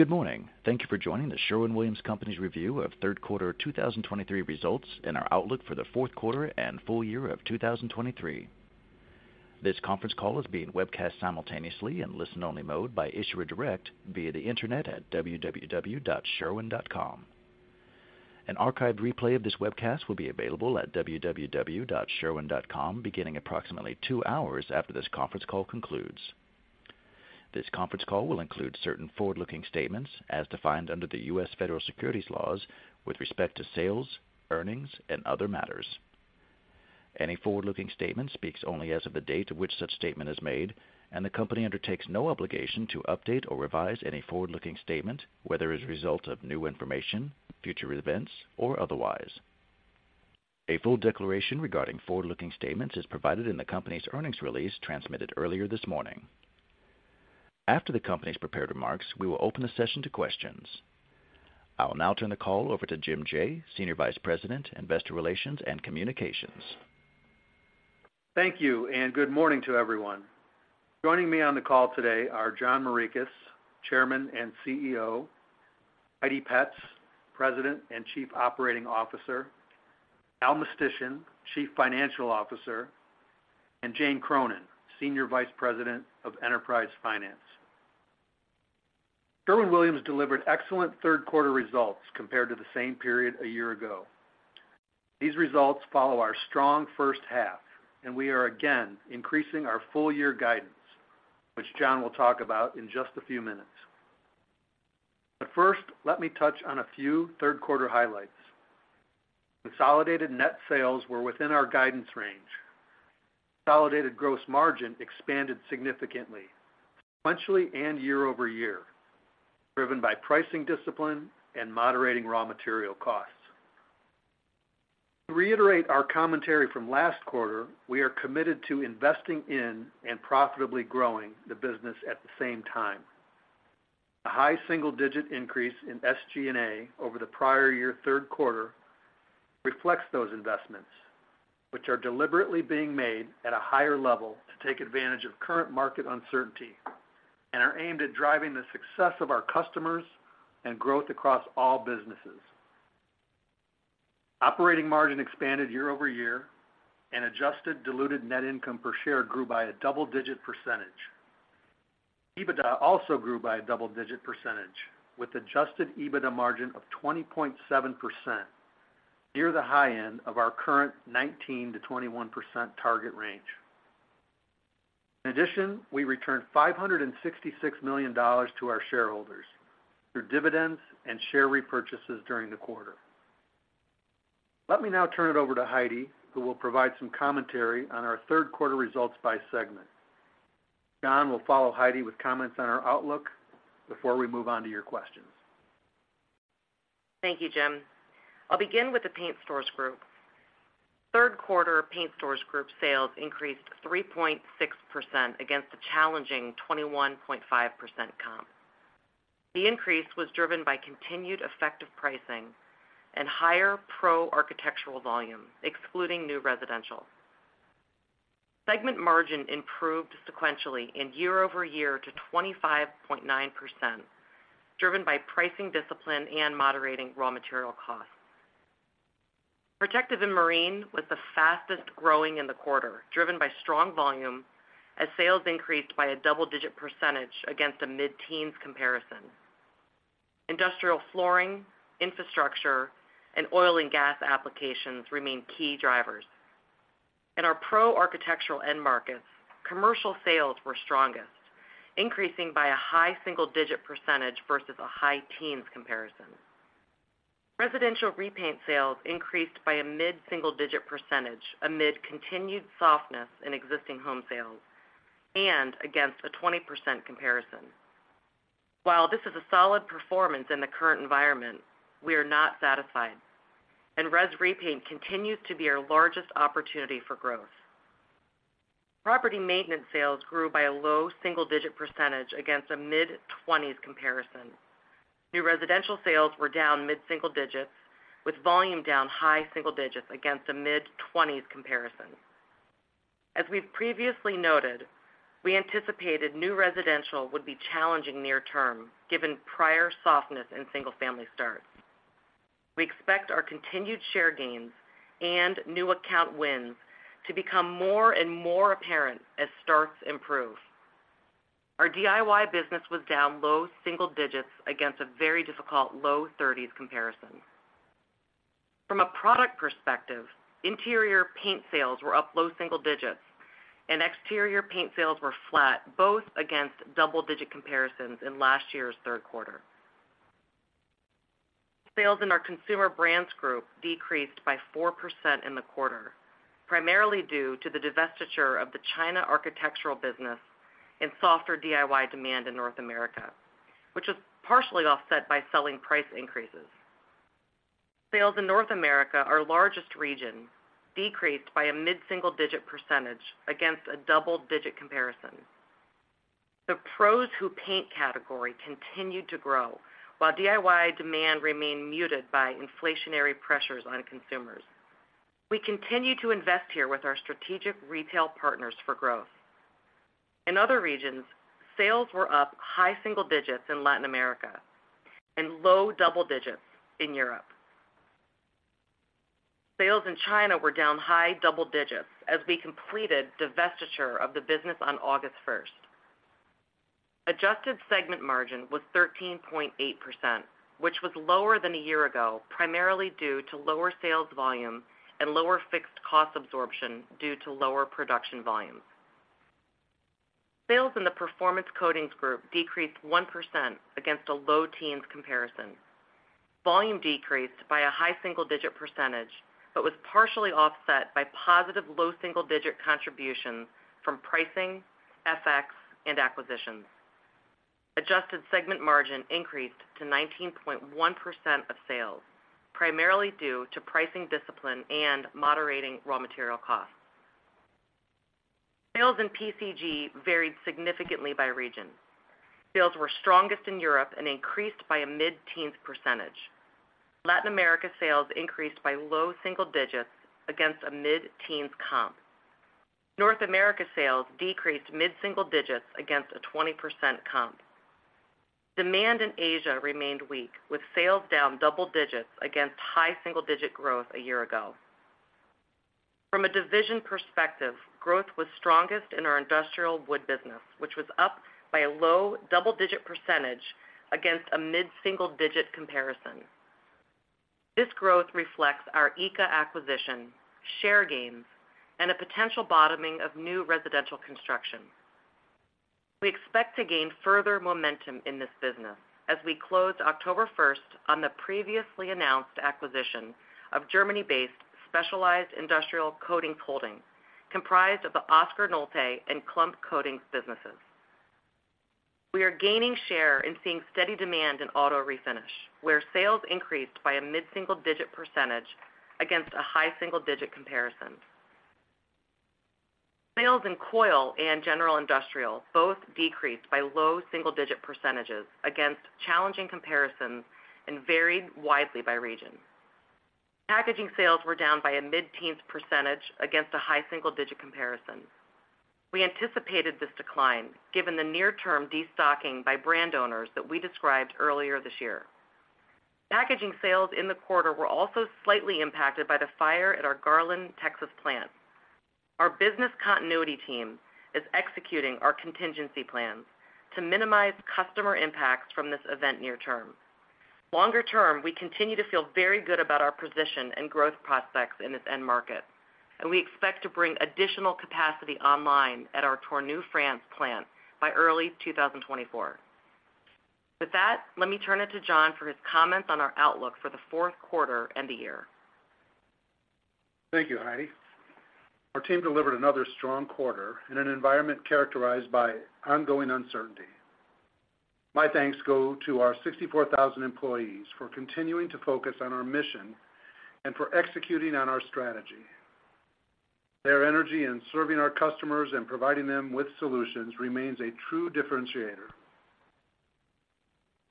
Good morning. Thank you for joining the Sherwin-Williams Company's review of Q3 2023 results and our outlook for the Q4 and full year of 2023. This conference call is being webcast simultaneously in listen-only mode by Issuer Direct via the Internet at www.sherwin.com. An archived replay of this webcast will be available at www.sherwin.com beginning approximately two hours after this conference call concludes. This conference call will include certain forward-looking statements as defined under the U.S. Federal Securities laws with respect to sales, earnings, and other matters. Any forward-looking statement speaks only as of the date of which such statement is made, and the company undertakes no obligation to update or revise any forward-looking statement, whether as a result of new information, future events, or otherwise. A full declaration regarding forward-looking statements is provided in the company's earnings release transmitted earlier this morning. After the company's prepared remarks, we will open the session to questions. I will now turn the call over to Jim Jaye, Senior Vice President, Investor Relations and Communications. Thank you, and good morning to everyone. Joining me on the call today are John G. Morikis, Chairman and CEO, Heidi G. Petz, President and Chief Operating Officer, Allen J. Mistysyn, Chief Financial Officer, and Jane M. Cronin, Senior Vice President of Enterprise Finance. Sherwin-Williams delivered excellent Q3 results compared to the same period a year ago. These results follow our strong first half, and we are again increasing our full-year guidance, which John will talk about in just a few minutes. But first, let me touch on a few Q3 highlights. Consolidated net sales were within our guidance range. Consolidated gross margin expanded significantly, sequentially and year-over-year, driven by pricing discipline and moderating raw material costs. To reiterate our commentary from last quarter, we are committed to investing in and profitably growing the business at the same time. A high single-digit increase in SG&A over the prior year Q3 reflects those investments, which are deliberately being made at a higher level to take advantage of current market uncertainty and are aimed at driving the success of our customers and growth across all businesses. Operating margin expanded year-over-year, and adjusted diluted net income per share grew by a double-digit percentage. EBITDA also grew by a double-digit percentage, with adjusted EBITDA margin of 20.7%, near the high end of our current 19% to 21% target range. In addition, we returned $566 million to our shareholders through dividends and share repurchases during the quarter. Let me now turn it over to Heidi, who will provide some commentary on our Q3 results by segment. John will follow Heidi with comments on our outlook before we move on to your questions. Thank you, Jim. I'll begin with the Paint Stores Group. Q3 Paint Stores Group sales increased 3.6% against a challenging 21.5% comp. The increase was driven by continued effective pricing and higher Pro architectural volume, excluding new residential. Segment margin improved sequentially and year-over-year to 25.9%, driven by pricing discipline and moderating raw material costs. Protective and Marine was the fastest growing in the quarter, driven by strong volume as sales increased by a double-digit percentage against a mid-teens comparison. Industrial flooring, infrastructure, and oil and gas applications remained key drivers. In our Pro architectural end markets, commercial sales were strongest, increasing by a high single-digit percentage versus a high teens comparison. Residential repaint sales increased by a mid-single-digit percentage amid continued softness in existing home sales and against a 20% comparison. While this is a solid performance in the current environment, we are not satisfied, and res repaint continues to be our largest opportunity for growth. Property maintenance sales grew by a low single-digit percentage against a mid-20s comparison. New residential sales were down mid-single digits, with volume down high single digits against a mid-20s comparison. As we've previously noted, we anticipated new residential would be challenging near term, given prior softness in single-family starts. We expect our continued share gains and new account wins to become more and more apparent as starts improve. Our DIY business was down low single digits against a very difficult low 30s comparison. From a product perspective, interior paint sales were up low single digits, and exterior paint sales were flat, both against double-digit comparisons in last year's Q3. Sales in our Consumer Brands Group decreased by 4% in the quarter, primarily due to the divestiture of the China architectural business and softer DIY demand in North America, which was partially offset by selling price increases. Sales in North America, our largest region, decreased by a mid-single-digit % against a double-digit comparison. The pros who paint category continued to grow, while DIY demand remained muted by inflationary pressures on consumers. We continue to invest here with our strategic retail partners for growth. In other regions, sales were up high single digits in Latin America and low double digits in Europe. Sales in China were down high double digits as we completed divestiture of the business on August 1st. Adjusted segment margin was 13.8%, which was lower than a year ago, primarily due to lower sales volume and lower fixed cost absorption due to lower production volumes. Sales in the Performance Coatings Group decreased 1% against a low-teens comparison. Volume decreased by a high-single-digit percentage, but was partially offset by positive low-single-digit contributions from pricing, FX, and acquisitions. Adjusted segment margin increased to 19.1% of sales, primarily due to pricing discipline and moderating raw material costs. Sales in PCG varied significantly by region. Sales were strongest in Europe and increased by a mid-teens percentage. Latin America sales increased by low-single digits against a mid-teens comp. North America sales decreased mid-single digits against a 20% comp. Demand in Asia remained weak, with sales down double digits against high-single-digit growth a year ago. From a division perspective, growth was strongest in our industrial wood business, which was up by a low-double-digit percentage against a mid-single-digit comparison. This growth reflects our ICA acquisition, share gains, and a potential bottoming of new residential construction. We expect to gain further momentum in this business as we close October 1st on the previously announced acquisition of Germany-based Specialized Industrial Coatings Holding, comprised of the Oskar Nolte and Klumpp Coatings businesses. We are gaining share and seeing steady demand in auto refinish, where sales increased by a mid-single-digit percentage against a high single-digit comparison. Sales in coil and general industrial both decreased by low single-digit percentages against challenging comparisons and varied widely by region. Packaging sales were down by a mid-teens percentage against a high single-digit comparison. We anticipated this decline, given the near-term destocking by brand owners that we described earlier this year. Packaging sales in the quarter were also slightly impacted by the fire at our Garland, Texas, plant. Our business continuity team is executing our contingency plans to minimize customer impacts from this event near term. Longer term, we continue to feel very good about our position and growth prospects in this end market, and we expect to bring additional capacity online at our Tournefeuille, France, plant by early 2024. With that, let me turn it to John for his comments on our outlook for the Q4 and the year. Thank you, Heidi. Our team delivered another strong quarter in an environment characterized by ongoing uncertainty. My thanks go to our 64,000 employees for continuing to focus on our mission and for executing on our strategy. Their energy in serving our customers and providing them with solutions remains a true differentiator.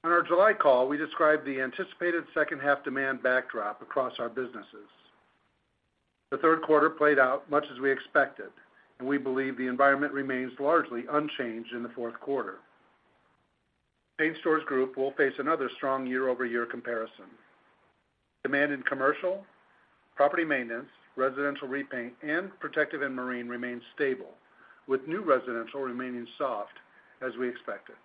On our July call, we described the anticipated second half demand backdrop across our businesses. The Q3 played out much as we expected, and we believe the environment remains largely unchanged in the Q4. Paint Stores Group will face another strong year-over-year comparison. Demand in commercial, property maintenance, residential repaint, and protective and marine remains stable, with new residential remaining soft, as we expected.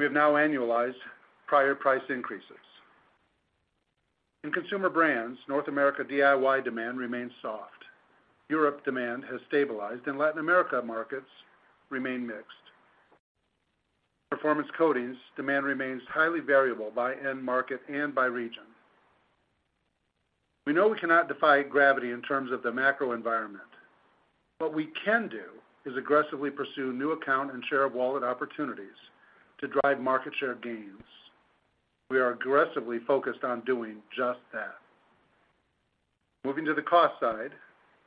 We have now annualized prior price increases. In consumer brands, North America DIY demand remains soft. Europe demand has stabilized, and Latin America markets remain mixed. Performance coatings demand remains highly variable by end market and by region. We know we cannot defy gravity in terms of the macro environment. What we can do is aggressively pursue new account and share of wallet opportunities to drive market share gains. We are aggressively focused on doing just that. Moving to the cost side,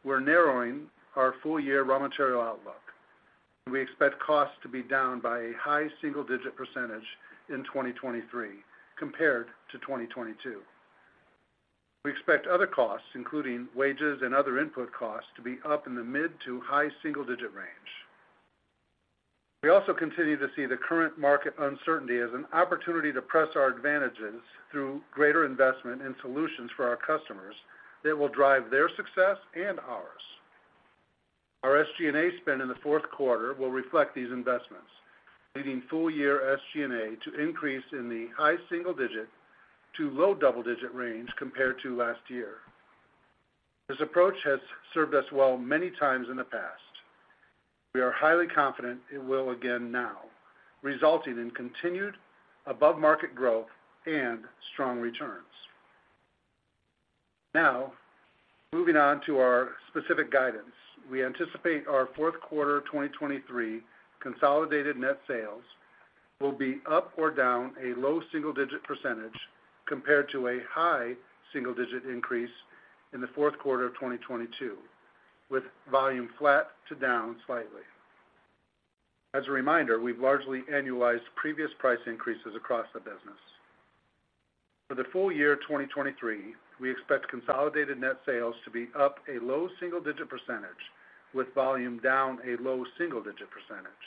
we're narrowing our full-year raw material outlook. We expect costs to be down by a high single-digit percentage in 2023 compared to 2022. We expect other costs, including wages and other input costs, to be up in the mid to high single-digit range. We also continue to see the current market uncertainty as an opportunity to press our advantages through greater investment in solutions for our customers that will drive their success and ours. Our SG&A spend in the Q4 will reflect these investments, leading full-year SG&A to increase in the high single-digit to low double-digit range compared to last year. This approach has served us well many times in the past. We are highly confident it will again now, resulting in continued above-market growth and strong returns. Now, moving on to our specific guidance. We anticipate our Q4 2023 consolidated net sales will be up or down a low single-digit percentage compared to a high single-digit percentage increase in the Q4 of 2022, with volume flat to down slightly. As a reminder, we've largely annualized previous price increases across the business. For the full year 2023, we expect consolidated net sales to be up a low single-digit percentage, with volume down a low single-digit percentage.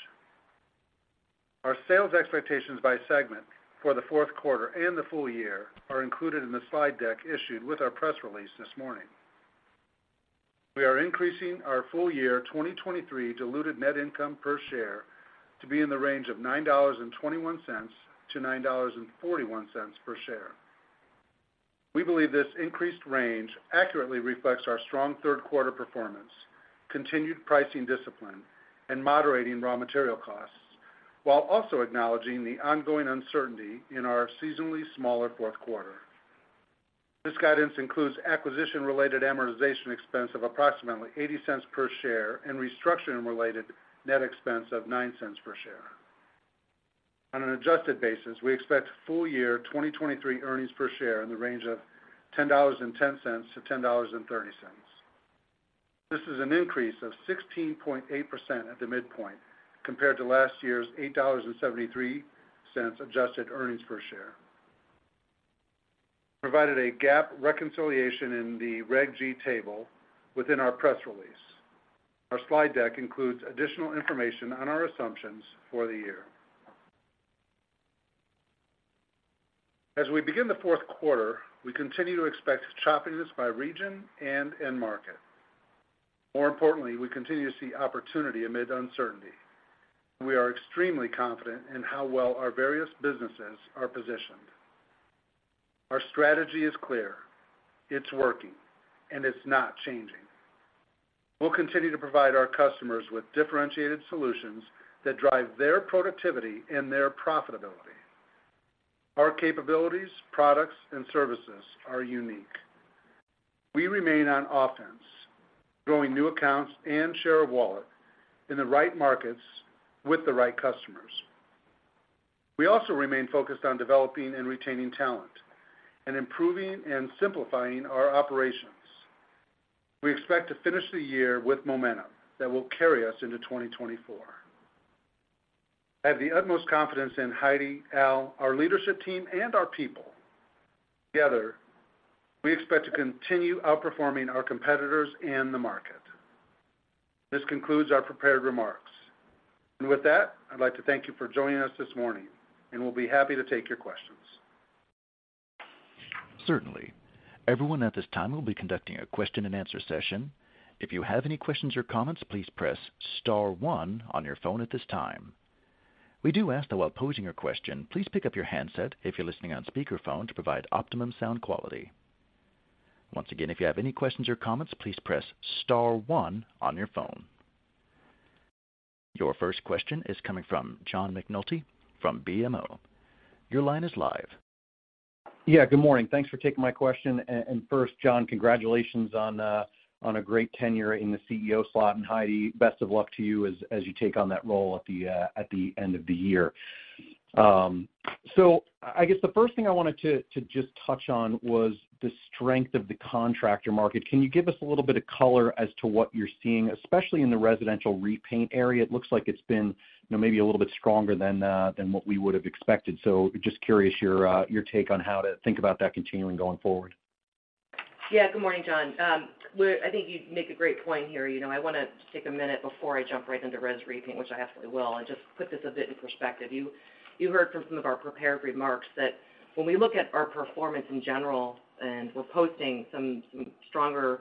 Our sales expectations by segment for the Q4 and the full year are included in the slide deck issued with our press release this morning. We are increasing our full year 2023 diluted net income per share to be in the range of $9.21 to $9.41 per share. We believe this increased range accurately reflects our strong Q3 performance, continued pricing discipline, and moderating raw material costs, while also acknowledging the ongoing uncertainty in our seasonally smaller Q4. This guidance includes acquisition-related amortization expense of approximately $0.80 per share and restructuring-related net expense of $0.09 per share. On an adjusted basis, we expect full year 2023 earnings per share in the range of $10.10 to $10.30. This is an increase of 16.8% at the midpoint compared to last year's $8.73 adjusted earnings per share. We provided a GAAP reconciliation in the Reg G table within our press release. Our slide deck includes additional information on our assumptions for the year. As we begin the Q4, we continue to expect choppiness by region and end market. More importantly, we continue to see opportunity amid uncertainty. We are extremely confident in how well our various businesses are positioned. Our strategy is clear, it's working, and it's not changing. We'll continue to provide our customers with differentiated solutions that drive their productivity and their profitability. Our capabilities, products, and services are unique. We remain on offense, growing new accounts and share of wallet in the right markets with the right customers. We also remain focused on developing and retaining talent, and improving and simplifying our operations. We expect to finish the year with momentum that will carry us into 2024. I have the utmost confidence in Heidi, Al, our leadership team, and our people. Together, we expect to continue outperforming our competitors and the market. This concludes our prepared remarks. With that, I'd like to thank you for joining us this morning, and we'll be happy to take your questions. Certainly. Everyone at this time, we'll be conducting a question and answer session. If you have any questions or comments, please press star one on your phone at this time. We do ask that while posing your question, please pick up your handset if you're listening on speakerphone, to provide optimum sound quality. Once again, if you have any questions or comments, please press star one on your phone. Your first question is coming from John McNulty from BMO. Your line is live. Yeah, good morning. Thanks for taking my question. And first, John, congratulations on a great tenure in the CEO slot, and Heidi, best of luck to you as you take on that role at the end of the year. So I guess the first thing I wanted to just touch on was the strength of the contractor market. Can you give us a little bit of color as to what you're seeing, especially in the residential repaint area? It looks like it's been, you know, maybe a little bit stronger than what we would have expected. So just curious, your take on how to think about that continuing going forward. Yeah. Good morning, John. Well, I think you make a great point here. You know, I wanna take a minute before I jump right into res repaint, which I absolutely will, and just put this a bit in perspective. You, you heard from some of our prepared remarks that when we look at our performance in general, and we're posting some, some stronger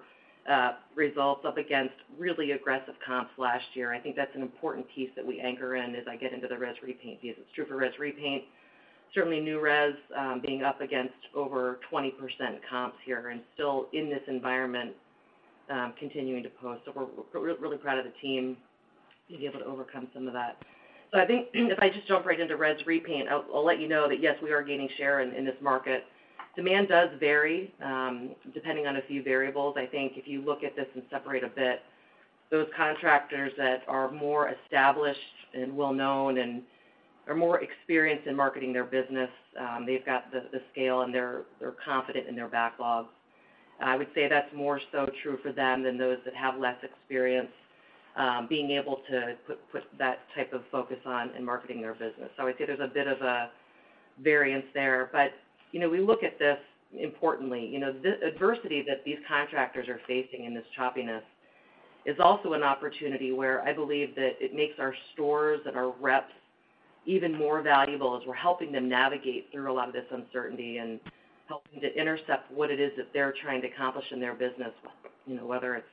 results up against really aggressive comps last year. I think that's an important piece that we anchor in as I get into the res repaint, because it's true for res repaint. Certainly, new res, being up against over 20% comps here and still in this environment, continuing to post. So we're, we're really proud of the team to be able to overcome some of that. So I think if I just jump right into res repaint, I'll let you know that, yes, we are gaining share in this market. Demand does vary, depending on a few variables. I think if you look at this and separate a bit, those contractors that are more established and well-known and are more experienced in marketing their business, they've got the scale, and they're confident in their backlog. I would say that's more so true for them than those that have less experience, being able to put that type of focus on marketing their business. So I would say there's a bit of a variance there. But, you know, we look at this importantly. You know, the adversity that these contractors are facing in this choppiness is also an opportunity where I believe that it makes our stores and our reps even more valuable, as we're helping them navigate through a lot of this uncertainty and helping to intercept what it is that they're trying to accomplish in their business. You know, whether it's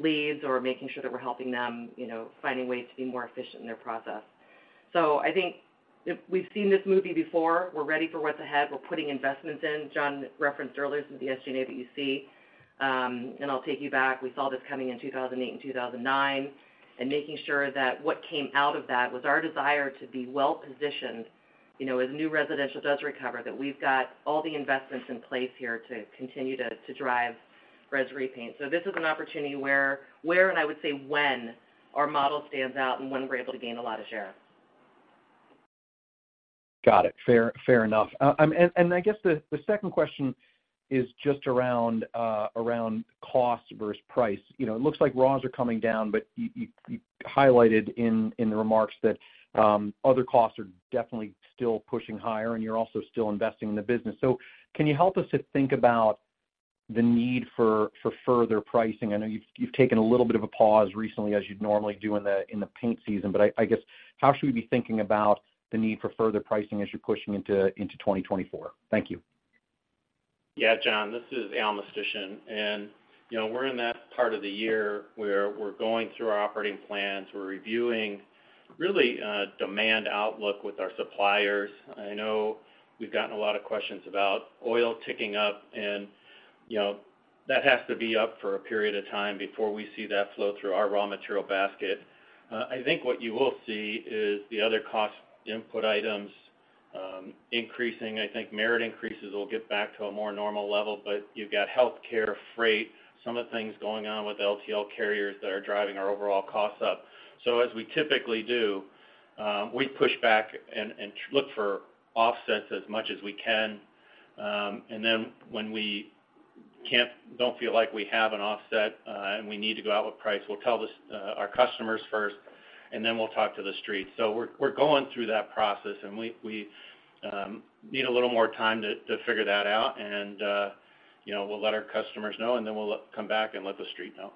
leads or making sure that we're helping them, you know, finding ways to be more efficient in their process. So I think if we've seen this movie before, we're ready for what's ahead. We're putting investments in. John referenced earlier, some of the SG&A that you see. I'll take you back. We saw this coming in 2008 and 2009, and making sure that what came out of that was our desire to be well-positioned, you know, as new residential does recover, that we've got all the investments in place here to continue to, to drive res repaint. So this is an opportunity where, where, and I would say, when our model stands out and when we're able to gain a lot of share. Got it. Fair, fair enough. I guess the second question is just around cost versus price. You know, it looks like raws are coming down, but you highlighted in the remarks that other costs are definitely still pushing higher, and you're also still investing in the business. So can you help us to think about the need for further pricing? I know you've taken a little bit of a pause recently, as you'd normally do in the paint season, but I guess how should we be thinking about the need for further pricing as you're pushing into 2024? Thank you. Yeah, John, this is Allen Mistysyn. And, you know, we're in that part of the year where we're going through our operating plans. We're reviewing really, demand outlook with our suppliers. I know we've gotten a lot of questions about oil ticking up, and, you know, that has to be up for a period of time before we see that flow through our raw material basket. I think what you will see is the other cost input items, increasing. I think merit increases will get back to a more normal level, but you've got healthcare, freight, some of the things going on with LTL carriers that are driving our overall costs up. So as we typically do, we push back and, and look for offsets as much as we can. And then when we don't feel like we have an offset, and we need to go out with price, we'll tell this our customers first, and then we'll talk to the street. So we're going through that process, and we need a little more time to figure that out, and you know, we'll let our customers know, and then we'll come back and let the street know.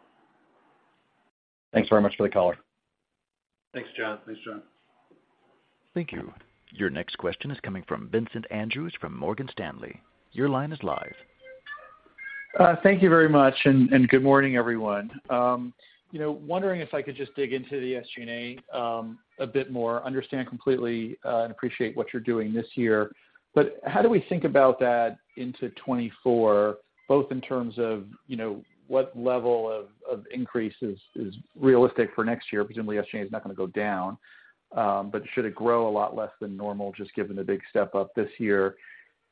Thanks very much for the caller. Thanks, John. Thanks, John. Thank you. Your next question is coming from Vincent Andrews from Morgan Stanley. Your line is live. Thank you very much, and good morning, everyone. You know, wondering if I could just dig into the SG&A a bit more. Understand completely and appreciate what you're doing this year, but how do we think about that into 2024, both in terms of, you know, what level of increase is realistic for next year? Presumably, SG&A is not going to go down, but should it grow a lot less than normal, just given the big step up this year.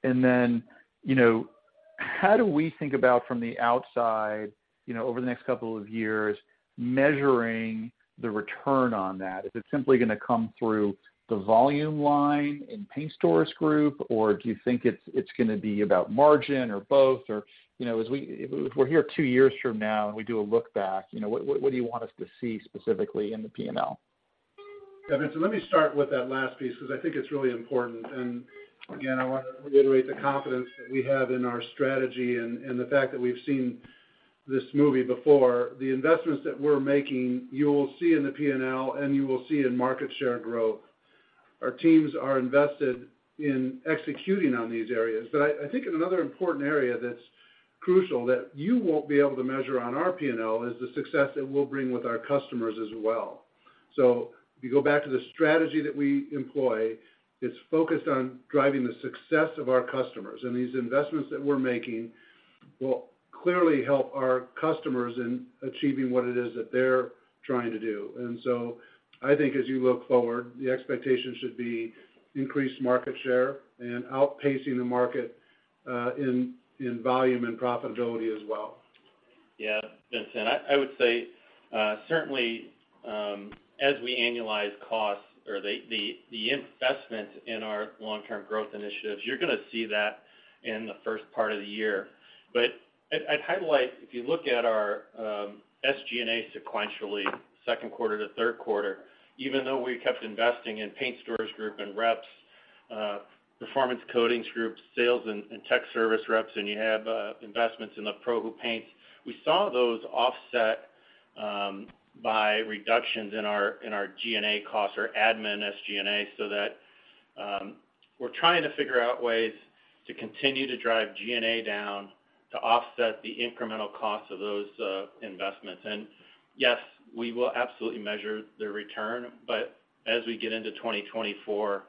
And then, you know, how do we think about from the outside, you know, over the next couple of years, measuring the return on that? Is it simply going to come through the volume line in Paint Stores Group, or do you think it's going to be about margin or both? Or, you know, as we, if we're here two years from now and we do a look back, you know, what do you want us to see specifically in the P&L? Yeah, Vincent, let me start with that last piece, because I think it's really important. And again, I want to reiterate the confidence that we have in our strategy and, and the fact that we've seen this movie before. The investments that we're making, you will see in the P&L, and you will see in market share growth. Our teams are invested in executing on these areas. But I, I think in another important area that's crucial, that you won't be able to measure on our P&L, is the success that we'll bring with our customers as well. So if you go back to the strategy that we employ, it's focused on driving the success of our customers, and these investments that we're making will clearly help our customers in achieving what it is that they're trying to do. And so I think as you look forward, the expectation should be increased market share and outpacing the market in volume and profitability as well. Yeah, Vincent, I would say, certainly, as we annualize costs or the investment in our long-term growth initiatives, you're going to see that in the first part of the year. I'd highlight, if you look at our SG&A sequentially, Q2 to Q3, even though we kept investing in Paint Stores Group and reps, Performance Coatings Group sales and tech service reps, and you have investments in the ProWho Paints, we saw those offset by reductions in our G&A costs or admin SG&A, so that we're trying to figure out ways to continue to drive G&A down to offset the incremental costs of those investments. Yes, we will absolutely measure the return, but as we get into 2024,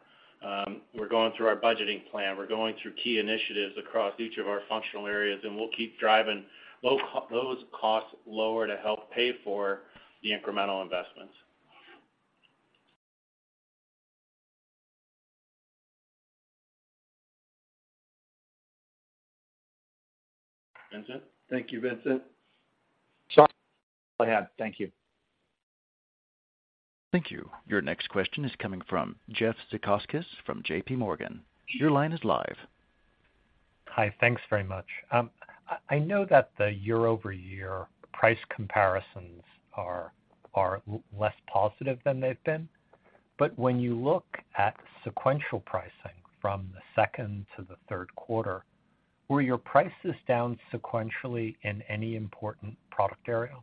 we're going through our budgeting plan. We're going through key initiatives across each of our functional areas, and we'll keep driving those costs lower to help pay for the incremental investments. Vincent? Thank you, Vincent. Sean, I had. Thank you. Thank you. Your next question is coming from Jeff Zekauskas from JPMorgan. Your line is live. Hi, thanks very much. I know that the year-over-year price comparisons are less positive than they've been, but when you look at sequential pricing from the second to the Q3, were your prices down sequentially in any important product area?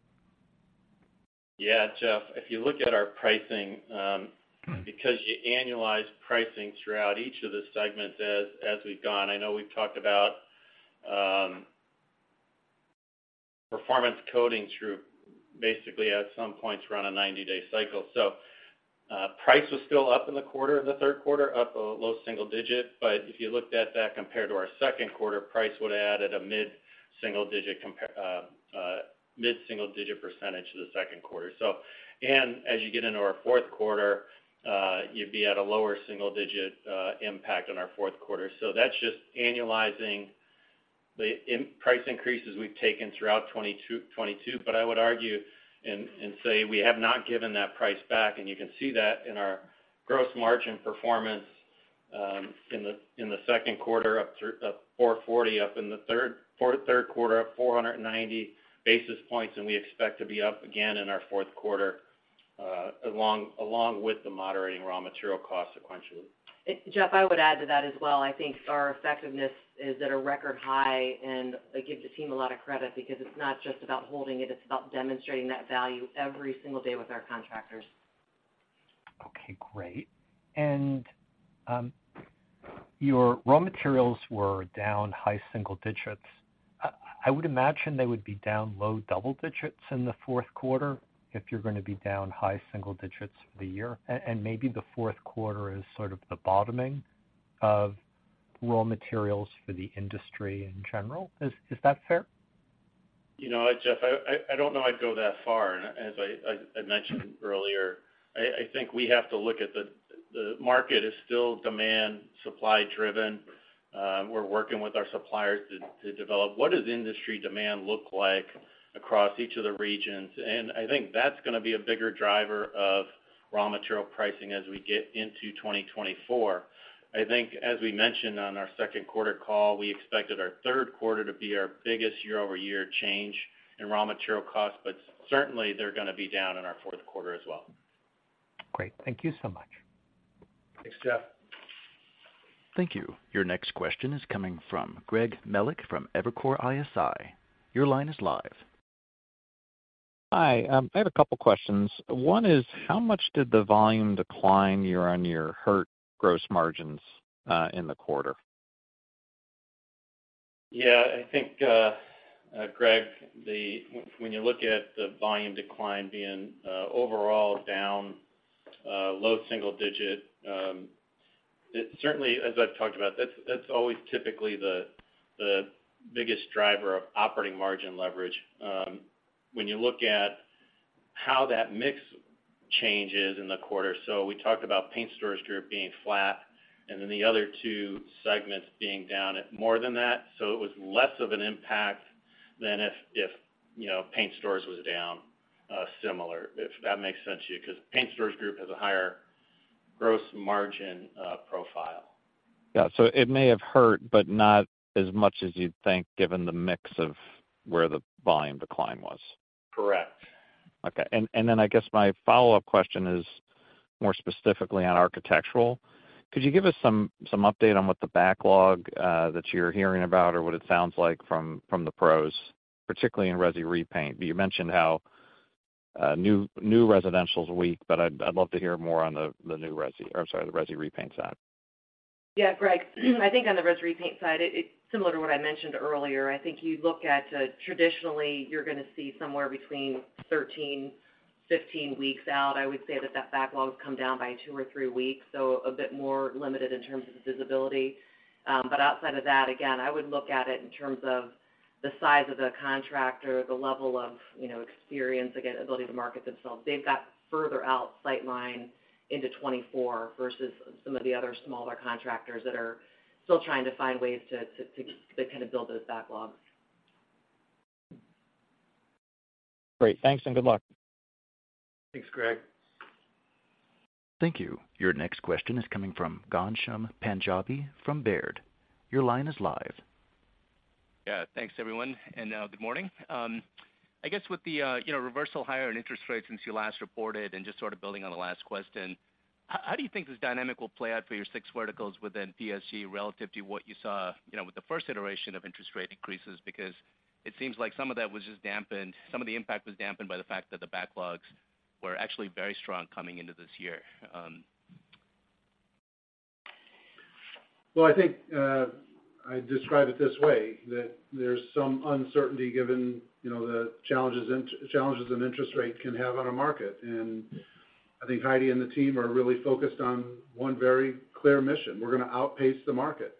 Yeah, Jeff, if you look at our pricing, because you annualize pricing throughout each of the segments as we've gone, I know we've talked about Performance Coatings through basically at some points, we're on a 90-day cycle. So, price was still up in the quarter, the Q3, up a low-single-digit percentage. But if you looked at that compared to our Q2, price would have added a mid-single-digit percentage to the Q2. And as you get into our Q4, you'd be at a low-single-digit impact on our Q4. So that's just annualizing the price increases we've taken throughout 2022, but I would argue and say we have not given that price back, and you can see that in our gross margin performance, in the Q2, up 440, in the Q3, up 490 basis points, and we expect to be up again in our Q4, along with the moderating raw material costs sequentially. Jeff, I would add to that as well. I think our effectiveness is at a record high, and I give the team a lot of credit because it's not just about holding it, it's about demonstrating that value every single day with our contractors. Okay, great. And your raw materials were down high single digits. I would imagine they would be down low double digits in the Q4 if you're going to be down high single digits for the year, and maybe the Q4 is sort of the bottoming of raw materials for the industry in general. Is that fair? You know what, Jeff, I don't know I'd go that far, and as I mentioned earlier, I think we have to look at the market is still demand, supply driven. We're working with our suppliers to develop what does industry demand look like across each of the regions? And I think that's gonna be a bigger driver of raw material pricing as we get into 2024. I think as we mentioned on our Q2 call, we expected our Q3 to be our biggest year-over-year change in raw material costs, but certainly, they're gonna be down in our Q4 as well. Great. Thank you so much. Thanks, Jeff. Thank you. Your next question is coming from Greg Melich from Evercore ISI. Your line is live. Hi, I have a couple questions. One is, how much did the volume decline year-on-year hurt gross margins, in the quarter? Yeah, I think, Greg, the, when, when you look at the volume decline being, overall down, low single digit, it certainly, as I've talked about, that's, that's always typically the, the biggest driver of operating margin leverage, when you look at how that mix changes in the quarter. So we talked about Paint Stores Group being flat, and then the other two segments being down at more than that. So it was less of an impact than if, if, you know, Paint Stores was down, similar, if that makes sense to you, 'cause Paint Stores Group has a higher gross margin, profile. Yeah. So it may have hurt, but not as much as you'd think, given the mix of where the volume decline was. Correct. Okay. And then I guess my follow-up question is more specifically on architectural. Could you give us some update on what the backlog that you're hearing about or what it sounds like from the pros, particularly in resi repaint? You mentioned how new residential's weak, but I'd love to hear more on the new resi or sorry, the resi repaint side. Yeah, Greg, I think on the resi repaint side, it, it's similar to what I mentioned earlier. I think you look at, traditionally, you're gonna see somewhere between 13 to 15 weeks out. I would say that that backlog has come down by two or three weeks, so a bit more limited in terms of visibility. But outside of that, again, I would look at it in terms of the size of the contractor, the level of, you know, experience, again, ability to market themselves. They've got further out sightline into 2024 versus some of the other smaller contractors that are still trying to find ways to kind of build those backlogs. Great. Thanks, and good luck. Thanks, Greg. Thank you. Your next question is coming from Ghansham Panjabi from Baird. Your line is live. Yeah, thanks, everyone, and good morning. I guess with the, you know, reversal higher in interest rates since you last reported, and just sort of building on the last question, how do you think this dynamic will play out for your six verticals within PSG relative to what you saw, you know, with the first iteration of interest rate increases? Because it seems like some of that was just dampened, some of the impact was dampened by the fact that the backlogs were actually very strong coming into this year. Well, I think I'd describe it this way, that there's some uncertainty given, you know, the challenges interest rates can have on a market. And I think Heidi and the team are really focused on one very clear mission: we're gonna outpace the market.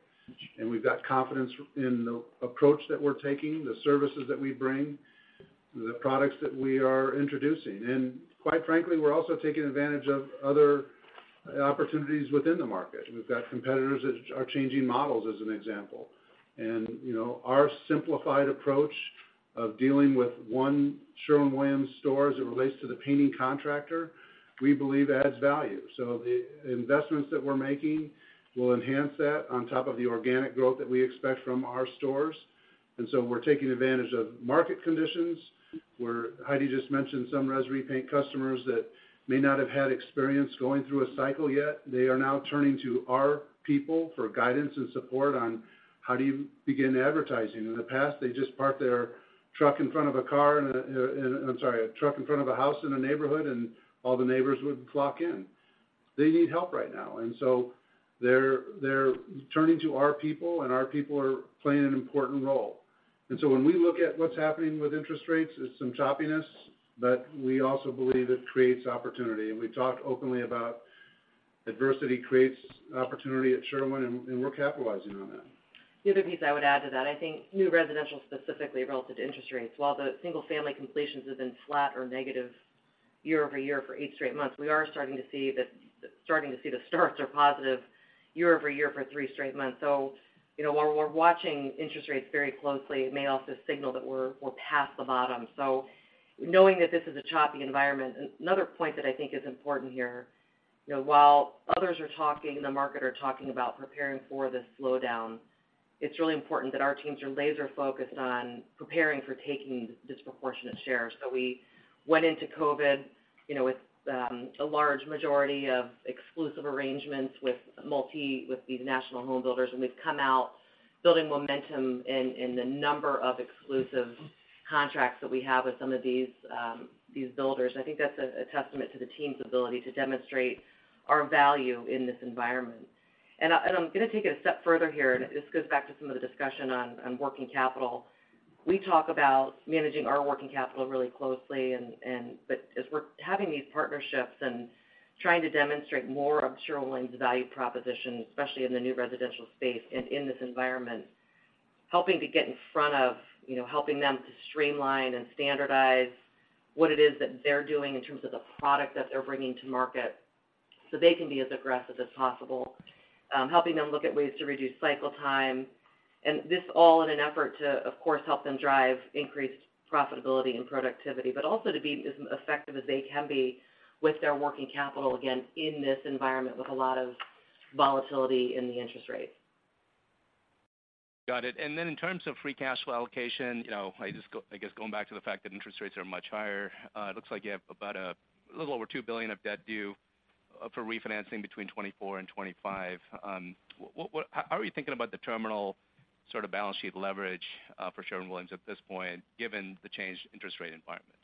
And we've got confidence in the approach that we're taking, the services that we bring, the products that we are introducing. And quite frankly, we're also taking advantage of other opportunities within the market. We've got competitors that are changing models, as an example. And, you know, our simplified approach of dealing with one Sherwin-Williams store, as it relates to the painting contractor, we believe adds value. So the investments that we're making will enhance that on top of the organic growth that we expect from our stores. And so we're taking advantage of market conditions, where Heidi just mentioned some res repaint customers that may not have had experience going through a cycle yet. They are now turning to our people for guidance and support on how do you begin advertising. In the past, they just parked their truck in front of a house in a neighborhood, and all the neighbors would flock in. They need help right now, and so they're turning to our people, and our people are playing an important role. And so when we look at what's happening with interest rates, there's some choppiness, but we also believe it creates opportunity. And we've talked openly about adversity creates opportunity at Sherwin, and we're capitalizing on that. The other piece I would add to that, I think new residential, specifically relative to interest rates, while the single-family completions have been flat or negative year-over-year for eight straight months. We are starting to see the, starting to see the starts are positive year-over-year for three straight months. So, you know, while we're watching interest rates very closely, it may also signal that we're, we're past the bottom. So knowing that this is a choppy environment, another point that I think is important here, you know, while others are talking, the market are talking about preparing for this slowdown, it's really important that our teams are laser focused on preparing for taking disproportionate shares. So we went into COVID, you know, with a large majority of exclusive arrangements with these national home builders, and we've come out building momentum in the number of exclusive contracts that we have with some of these builders. I think that's a testament to the team's ability to demonstrate our value in this environment. And I'm going to take it a step further here, and this goes back to some of the discussion on working capital. We talk about managing our working capital really closely, but as we're having these partnerships and trying to demonstrate more of Sherwin-Williams' value proposition, especially in the new residential space and in this environment, helping to get in front of, you know, helping them to streamline and standardize what it is that they're doing in terms of the product that they're bringing to market, so they can be as aggressive as possible. Helping them look at ways to reduce cycle time, and this all in an effort to, of course, help them drive increased profitability and productivity, but also to be as effective as they can be with their working capital, again, in this environment, with a lot of volatility in the interest rates. Got it. Then in terms of free cash flow allocation, you know, I guess, going back to the fact that interest rates are much higher, it looks like you have about a little over $2 billion of debt due for refinancing between 2024 and 2025. What, how are you thinking about the terminal sort of balance sheet leverage for Sherwin-Williams at this point, given the changed interest rate environment?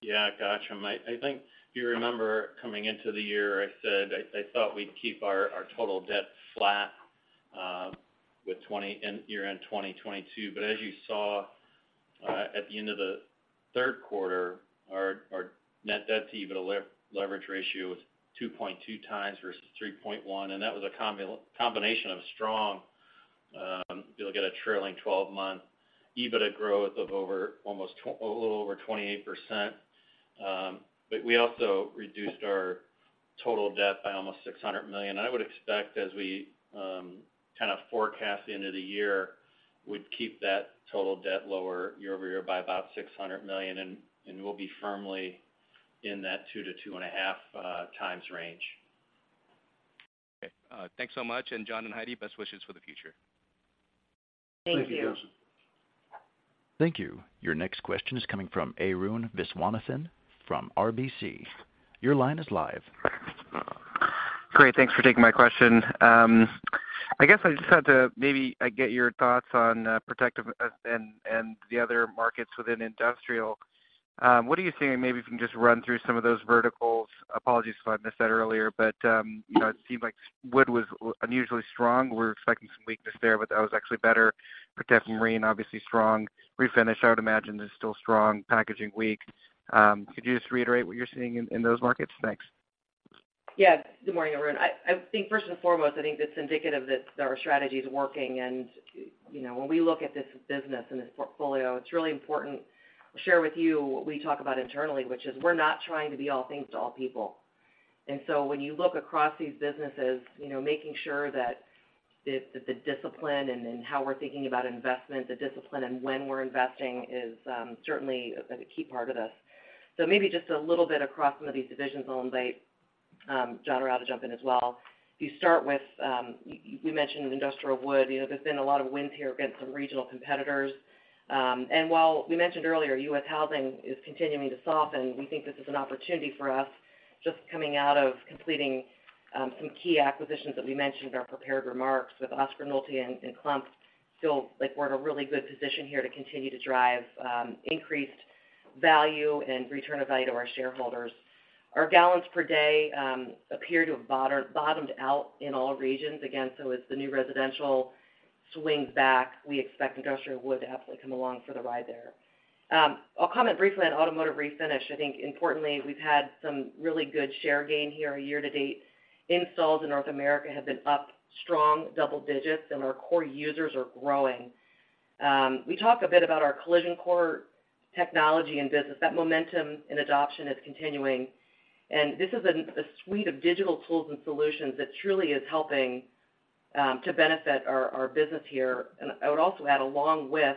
Yeah. Gotcha. I think if you remember, coming into the year, I said I thought we'd keep our total debt flat with year-end 2022. But as you saw, at the end of the Q3, our Net Debt to EBITDA leverage ratio was 2.2x versus 3.1x, and that was a combination of strong, if you look at a trailing 12-month EBITDA growth of over almost a little over 28%. But we also reduced our total debt by almost $600 million. I would expect as we kind of forecast the end of the year, we'd keep that total debt lower year over year by about $600 million, and we'll be firmly in that 2 to 2.5 times range. Okay. Thanks so much. And John and Heidi, best wishes for the future. Thank you. Thank you, Ghansham. Thank you. Your next question is coming from Arun Viswanathan from RBC. Your line is live. Great. Thanks for taking my question. I guess I just had to maybe get your thoughts on protective and the other markets within industrial. What are you seeing? And maybe if you can just run through some of those verticals. Apologies if I missed that earlier, but you know, it seemed like wood was unusually strong. We're expecting some weakness there, but that was actually better. Protective and Marine, obviously strong. Refinish, I would imagine, is still strong. Packaging, weak. Could you just reiterate what you're seeing in those markets? Thanks. Yeah. Good morning, Arun. I think first and foremost, I think it's indicative that our strategy is working. You know, when we look at this business and this portfolio, it's really important I share with you what we talk about internally, which is we're not trying to be all things to all people. So when you look across these businesses, you know, making sure that the discipline and how we're thinking about investment, the discipline and when we're investing is certainly a key part of this. So maybe just a little bit across some of these divisions, I'll invite John or Allen to jump in as well. If you start with you mentioned industrial wood. You know, there's been a lot of wins here against some regional competitors. And while we mentioned earlier, U.S. housing is continuing to soften, we think this is an opportunity for us, just coming out of completing some key acquisitions that we mentioned in our prepared remarks with Oskar Nolte and Klumpp, feel like we're in a really good position here to continue to drive increased value and return of value to our shareholders. Our gallons per day appear to have bottomed out in all regions. Again, so as the new residential swings back, we expect industrial wood to absolutely come along for the ride there. I'll comment briefly on automotive refinish. I think importantly, we've had some really good share gain here. Year to date, installs in North America have been up strong double digits, and our core users are growing. We talked a bit about our Collision Core technology and business. That momentum and adoption is continuing, and this is a suite of digital tools and solutions that truly is helping to benefit our business here. And I would also add, along with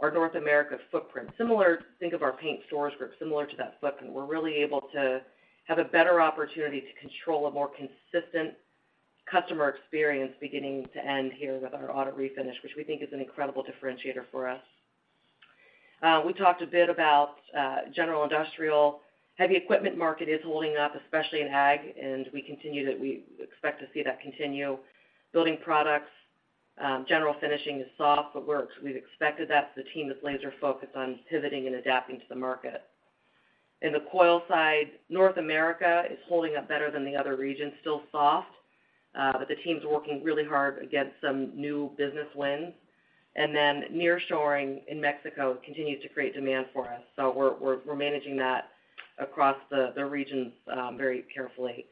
our North America footprint, similar, think of our Paint Stores Group, similar to that footprint. We're really able to have a better opportunity to control a more consistent customer experience, beginning to end here with our auto refinish, which we think is an incredible differentiator for us. We talked a bit about general industrial. Heavy equipment market is holding up, especially in ag, and we expect to see that continue. Building products, general finishing is soft, but we've expected that. The team is laser focused on pivoting and adapting to the market. In the coil side, North America is holding up better than the other regions, still soft, but the team's working really hard to get some new business wins. And then nearshoring in Mexico continues to create demand for us, so we're managing that across the regions very carefully.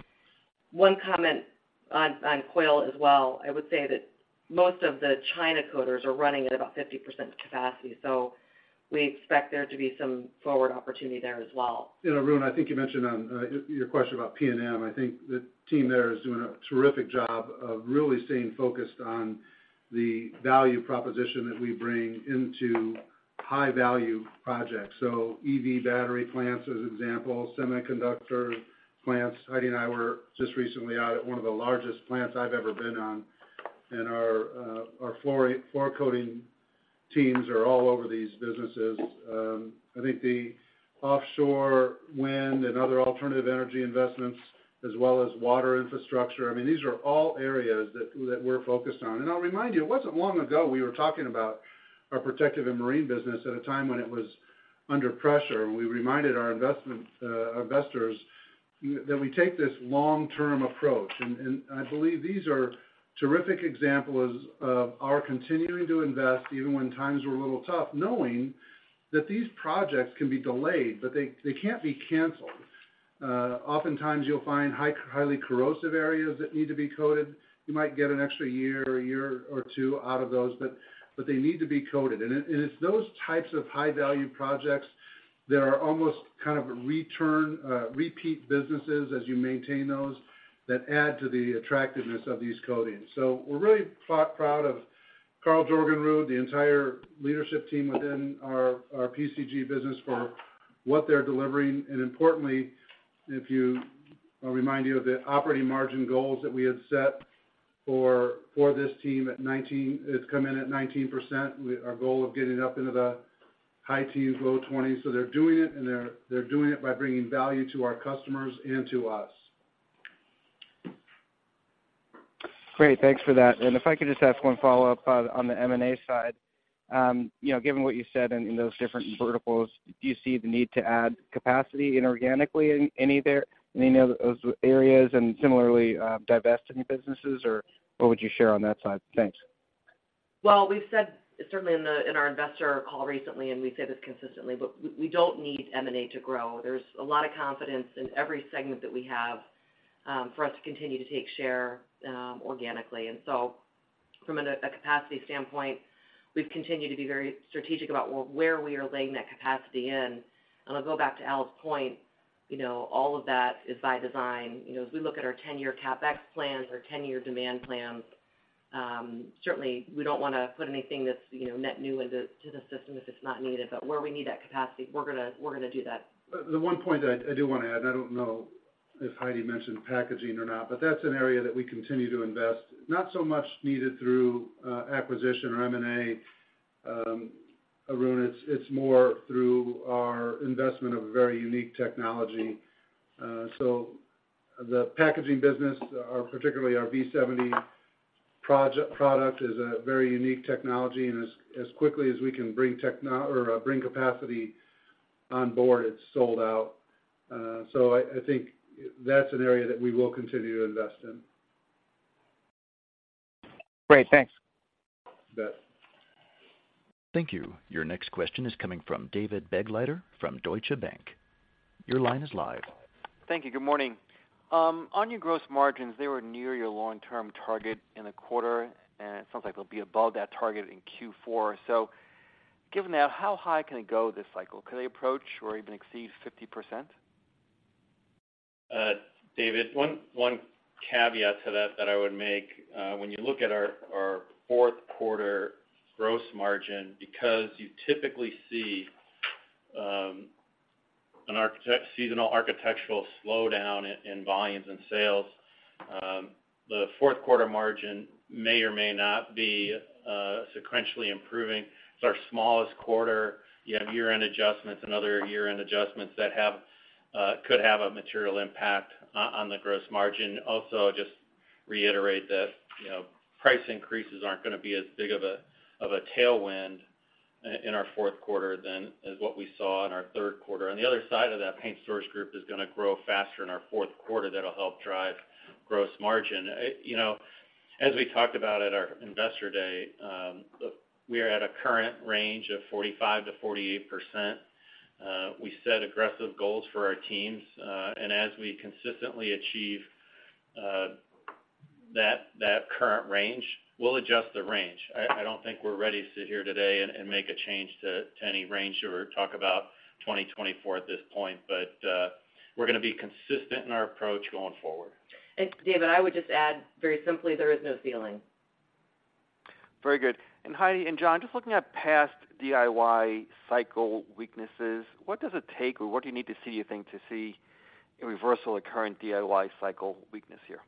One comment on coil as well. I would say that most of the China coaters are running at about 50% capacity, so we expect there to be some forward opportunity there as well. You know, Arun, I think you mentioned on your question about P&M, I think the team there is doing a terrific job of really staying focused on the value proposition that we bring into high-value projects. So EV battery plants, as an example, semiconductor plants. Heidi and I were just recently out at one of the largest plants I've ever been on, and our floor coating teams are all over these businesses. I think the offshore wind and other alternative energy investments, as well as water infrastructure, I mean, these are all areas that we're focused on. And I'll remind you, it wasn't long ago we were talking about our Protective and Marine business at a time when it was under pressure, and we reminded our investors that we take this long-term approach. I believe these are terrific examples of our continuing to invest, even when times were a little tough, knowing that these projects can be delayed, but they can't be canceled. Oftentimes, you'll find highly corrosive areas that need to be coated. You might get an extra year or a year or two out of those, but they need to be coated. And it's those types of high-value projects that are almost kind of a return, repeat businesses as you maintain those, that add to the attractiveness of these coatings. So we're really proud of Karl J. Jorgenrud, the entire leadership team within our PCG business for what they're delivering. And importantly, if you, I'll remind you of the operating margin goals that we had set for this team at 19%. it's come in at 19%. Our goal of getting up into the high teens, low twenties. So they're doing it, and they're doing it by bringing value to our customers and to us. Great. Thanks for that. And if I could just ask one follow-up on, on the M&A side. You know, given what you said in, in those different verticals, do you see the need to add capacity inorganically in any there, any of those areas, and similarly, divest any businesses, or what would you share on that side? Thanks. Well, we've said, certainly in our investor call recently, and we say this consistently, but we don't need M&A to grow. There's a lot of confidence in every segment that we have for us to continue to take share organically. And so from a capacity standpoint, we've continued to be very strategic about where we are laying that capacity in. And I'll go back to Allen's point, you know, all of that is by design. You know, as we look at our 10-year CapEx plans, our 10-year demand plans, certainly, we don't want to put anything that's, you know, net new into the system if it's not needed. But where we need that capacity, we're gonna do that. The one point that I do want to add, I don't know if Heidi mentioned packaging or not, but that's an area that we continue to invest. Not so much needed through acquisition or M&A, Arun, it's more through our investment of a very unique technology. So the packaging business, particularly our V70 project-product, is a very unique technology, and as quickly as we can bring capacity on board, it's sold out. So I think that's an area that we will continue to invest in. Great, thanks. You bet. Thank you. Your next question is coming from David Begleiter from Deutsche Bank. Your line is live. Thank you. Good morning. On your gross margins, they were near your long-term target in the quarter, and it sounds like they'll be above that target in Q4. So given that, how high can it go this cycle? Could they approach or even exceed 50%? David, one caveat to that that I would make, when you look at our Q4 gross margin, because you typically see a seasonal architectural slowdown in volumes and sales, the Q4 margin may or may not be sequentially improving. It's our smallest quarter. You have year-end adjustments and other year-end adjustments that could have a material impact on the gross margin. Also, just to reiterate that, you know, price increases aren't gonna be as big of a tailwind in our Q4 than as what we saw in our Q3. On the other side of that, Paint Stores Group is gonna grow faster in our Q4. That'll help drive gross margin. You know, as we talked about at our Investor Day, we are at a current range of 45% to 48%. We set aggressive goals for our teams, and as we consistently achieve that, that current range, we'll adjust the range. I, I don't think we're ready to sit here today and, and make a change to, to any range or talk about 2024 at this point, but, we're gonna be consistent in our approach going forward. David, I would just add, very simply, there is no ceiling. Very good. Heidi and John, just looking at past DIY cycle weaknesses, what does it take, or what do you need to see, you think, to see a reversal of current DIY cycle weakness here?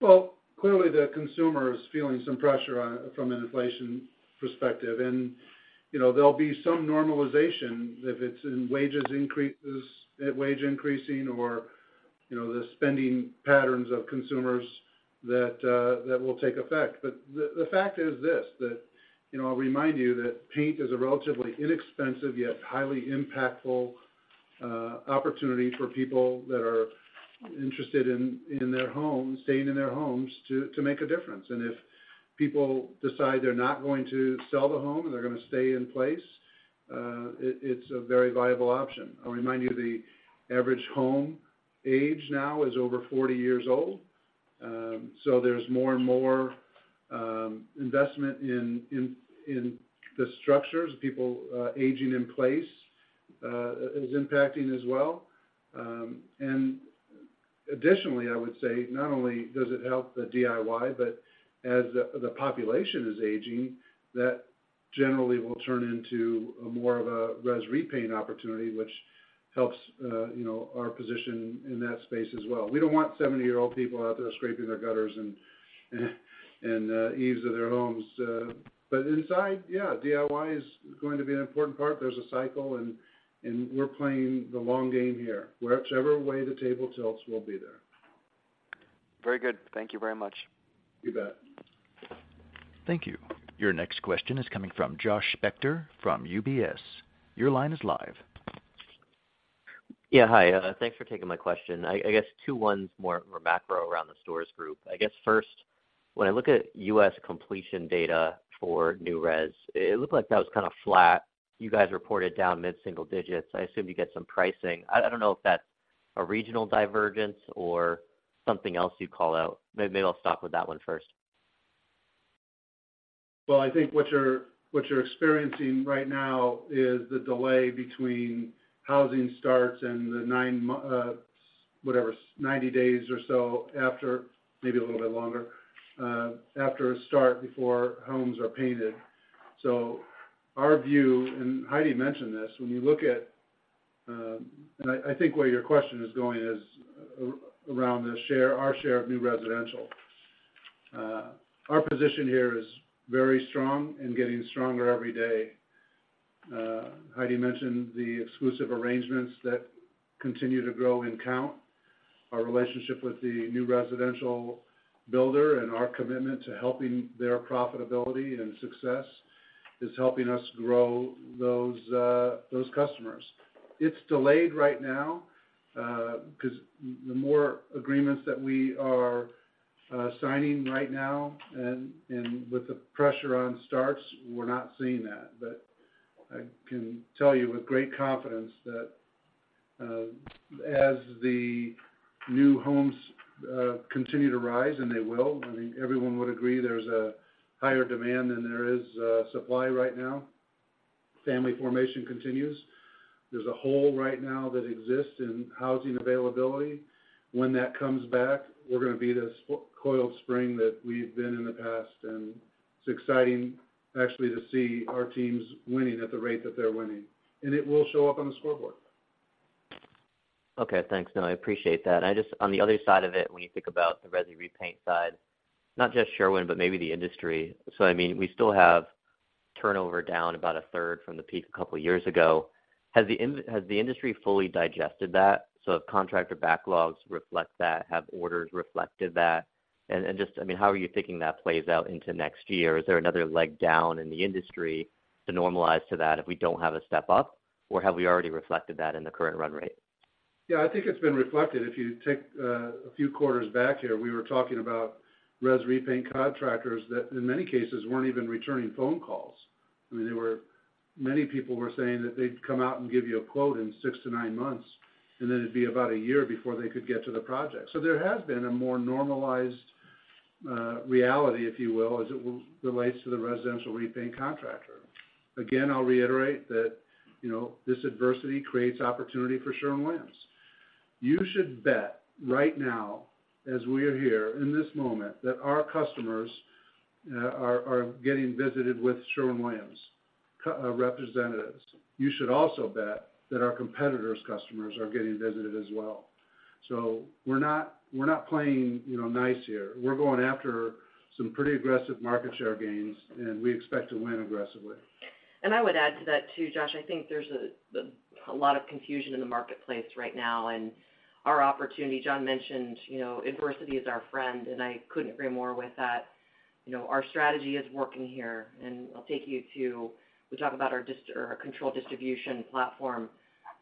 Well, clearly, the consumer is feeling some pressure on, from an inflation perspective. And, you know, there'll be some normalization, if it's in wages increases, wage increasing or, you know, the spending patterns of consumers that will take effect. But the fact is this, that, you know, I'll remind you that paint is a relatively inexpensive, yet highly impactful, opportunity for people that are interested in their homes, staying in their homes to make a difference. And if people decide they're not going to sell the home and they're gonna stay in place, it's a very viable option. I'll remind you, the average home age now is over 40 years old. So there's more and more investment in the structures. People aging in place is impacting as well. And additionally, I would say, not only does it help the DIY, but as the population is aging, that generally will turn into more of a res repaint opportunity, which helps, you know, our position in that space as well. We don't want 70-year-old people out there scraping their gutters and eaves of their homes. But inside, yeah, DIY is going to be an important part. There's a cycle, and we're playing the long game here. Whichever way the table tilts, we'll be there. Very good. Thank you very much. You bet. Thank you. Your next question is coming from Josh Spector from UBS. Your line is live. Yeah, hi. Thanks for taking my question. I guess two ones, more macro around the stores group. I guess first, when I look at U.S. completion data for new res, it looked like that was kind of flat. You guys reported down mid-single digits. I assume you get some pricing. I don't know if that's a regional divergence or something else you'd call out. Maybe I'll start with that one first. Well, I think what you're, what you're experiencing right now is the delay between housing starts and the 90 days or so after, maybe a little bit longer, after a start, before homes are painted. So our view, and Heidi mentioned this, when you look at. And I think where your question is going is around the share, our share of new residential. Our position here is very strong and getting stronger every day. Heidi mentioned the exclusive arrangements that continue to grow in count. Our relationship with the new residential builder and our commitment to helping their profitability and success is helping us grow those, those customers. It's delayed right now, 'cause the more agreements that we are signing right now, and, and with the pressure on starts, we're not seeing that. But I can tell you with great confidence that, as the new homes continue to rise, and they will, I mean, everyone would agree there's a higher demand than there is supply right now. Family formation continues. There's a hole right now that exists in housing availability. When that comes back, we're gonna be this coiled spring that we've been in the past, and it's exciting, actually, to see our teams winning at the rate that they're winning, and it will show up on the scoreboard. Okay, thanks. No, I appreciate that. I just on the other side of it, when you think about the res repaint side, not just Sherwin, but maybe the industry. So I mean, we still have turnover down about a third from the peak a couple of years ago. Has the industry fully digested that? So have contractor backlogs reflect that? Have orders reflected that? And just, I mean, how are you thinking that plays out into next year? Is there another leg down in the industry to normalize to that if we don't have a step up, or have we already reflected that in the current run rate? Yeah, I think it's been reflected. If you take a few quarters back here, we were talking about res repaint contractors that, in many cases, weren't even returning phone calls. I mean, they were. Many people were saying that they'd come out and give you a quote in 6-9 months, and then it'd be about a year before they could get to the project. So there has been a more normalized reality, if you will, as it relates to the residential repaint contractor. Again, I'll reiterate that, you know, this adversity creates opportunity for Sherwin-Williams. You should bet right now, as we are here in this moment, that our customers are getting visited with Sherwin-Williams representatives. You should also bet that our competitors' customers are getting visited as well. So we're not playing, you know, nice here. We're going after some pretty aggressive market share gains, and we expect to win aggressively. And I would add to that, too, Josh. I think there's a lot of confusion in the marketplace right now, and our opportunity, John mentioned, you know, adversity is our friend, and I couldn't agree more with that. You know, our strategy is working here, and I'll take you to. We talk about our distribution or our controlled distribution platform.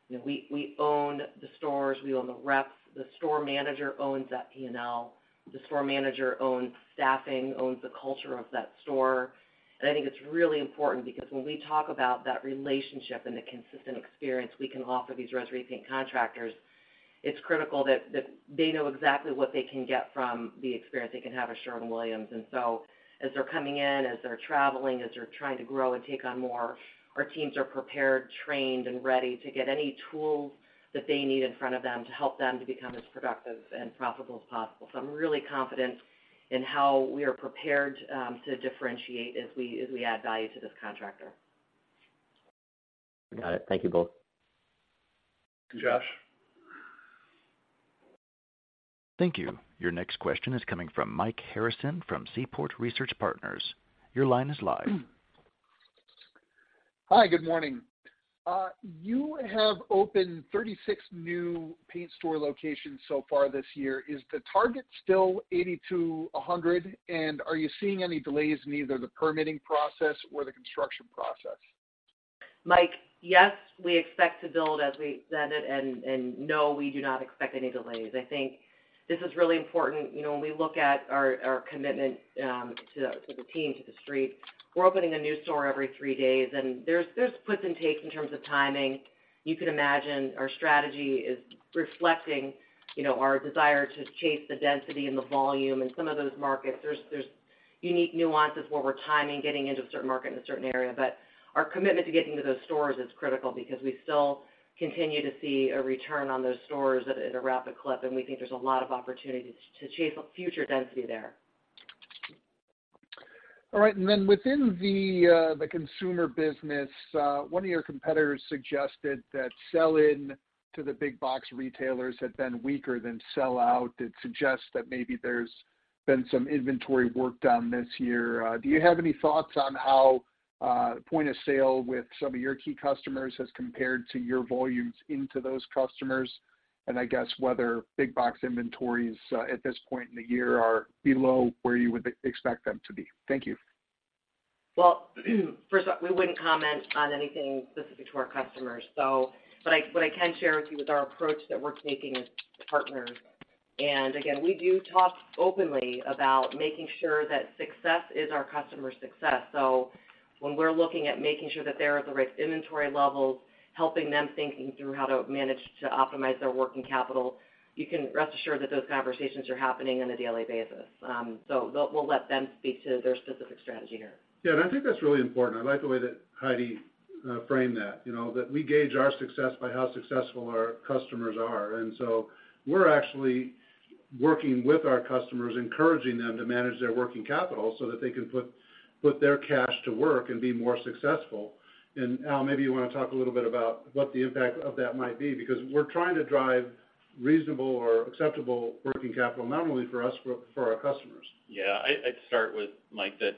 You know, we own the stores, we own the reps. The store manager owns that P&L. The store manager owns staffing, owns the culture of that store. And I think it's really important because when we talk about that relationship and the consistent experience, we can offer these res repaint contractors, it's critical that they know exactly what they can get from the experience they can have at Sherwin-Williams. So as they're coming in, as they're traveling, as they're trying to grow and take on more, our teams are prepared, trained, and ready to get any tools that they need in front of them to help them to become as productive and profitable as possible. So I'm really confident in how we are prepared, to differentiate as we, as we add value to this contractor. Got it. Thank you both. Thanks, Josh. Thank you. Your next question is coming from Mike Harrison, from Seaport Research Partners. Your line is live. Hi, good morning. You have opened 36 new paint store locations so far this year. Is the target still 80 to 100? And are you seeing any delays in either the permitting process or the construction process? Mike, yes, we expect to build as we said it, and no, we do not expect any delays. I think this is really important. You know, when we look at our commitment to the team, to the street, we're opening a new store every three days, and there's puts and takes in terms of timing. You can imagine our strategy is reflecting, you know, our desire to chase the density and the volume in some of those markets. There's unique nuances where we're timing getting into a certain market in a certain area. But our commitment to getting to those stores is critical because we still continue to see a return on those stores at a rapid clip, and we think there's a lot of opportunity to chase future density there. All right, and then within the, the consumer business, one of your competitors suggested that sell-in to the big box retailers had been weaker than sell-out. It suggests that maybe there's been some inventory work done this year. Do you have any thoughts on how, point-of-sale with some of your key customers has compared to your volumes into those customers? And I guess whether big box inventories, at this point in the year are below where you would expect them to be? Thank you. Well, first up, we wouldn't comment on anything specific to our customers. So but I can share with you is our approach that we're taking as partners. Again, we do talk openly about making sure that success is our customer's success. So when we're looking at making sure that they're at the right inventory levels, helping them thinking through how to manage to optimize their working capital, you can rest assured that those conversations are happening on a daily basis. So we'll let them speak to their specific strategy here. Yeah, and I think that's really important. I like the way that Heidi framed that, you know, that we gauge our success by how successful our customers are. And so we're actually working with our customers, encouraging them to manage their working capital so that they can put their cash to work and be more successful. And Allen, maybe you wanna talk a little bit about what the impact of that might be, because we're trying to drive reasonable or acceptable working capital, not only for us, but for our customers. Yeah, I'd start with, Mike, that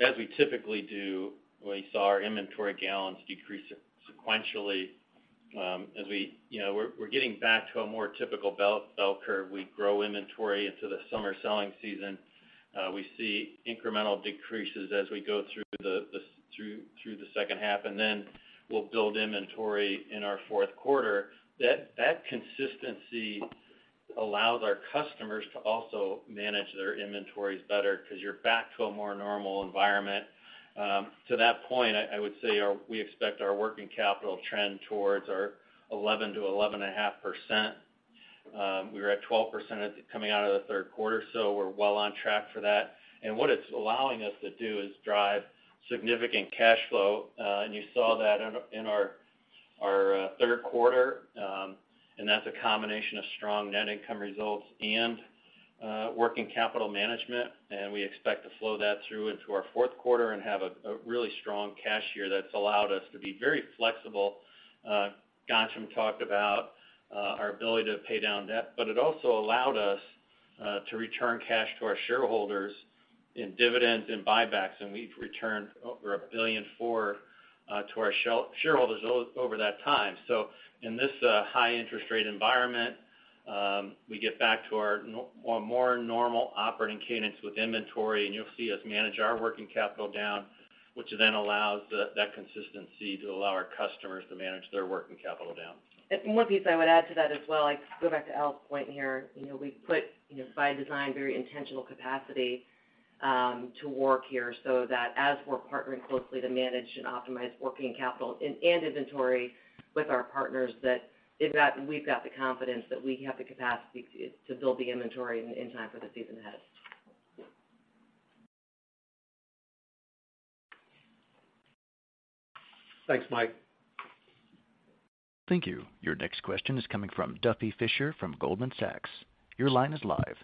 as we typically do, we saw our inventory gallons decrease sequentially. As we, you know, we're getting back to a more typical bell curve. We grow inventory into the summer selling season. We see incremental decreases as we go through the second half, and then we'll build inventory in our Q4. That consistency allows our customers to also manage their inventories better because you're back to a more normal environment. To that point, I would say our, we expect our working capital trend towards our 11% to 11.5%. We were at 12% coming out of the Q3, so we're well on track for that. What it's allowing us to do is drive significant cash flow, and you saw that in our Q3. That's a combination of strong net income results and working capital management. We expect to flow that through into our Q4 and have a really strong cash year that's allowed us to be very flexible. Ghansham talked about our ability to pay down debt, but it also allowed us to return cash to our shareholders in dividends and buybacks, and we've returned over $1.4 billion to our shareholders over that time. So in this high interest rate environment, we get back to our more normal operating cadence with inventory, and you'll see us manage our working capital down, which then allows that consistency to allow our customers to manage their working capital down. One piece I would add to that as well, I go back to Allen's point here. You know, we put, you know, by design, very intentional capacity to work here so that as we're partnering closely to manage and optimize working capital and inventory with our partners, that we've got the confidence that we have the capacity to build the inventory in time for the season ahead. Thanks, Mike. Thank you. Your next question is coming from Duffy Fischer from Goldman Sachs. Your line is live.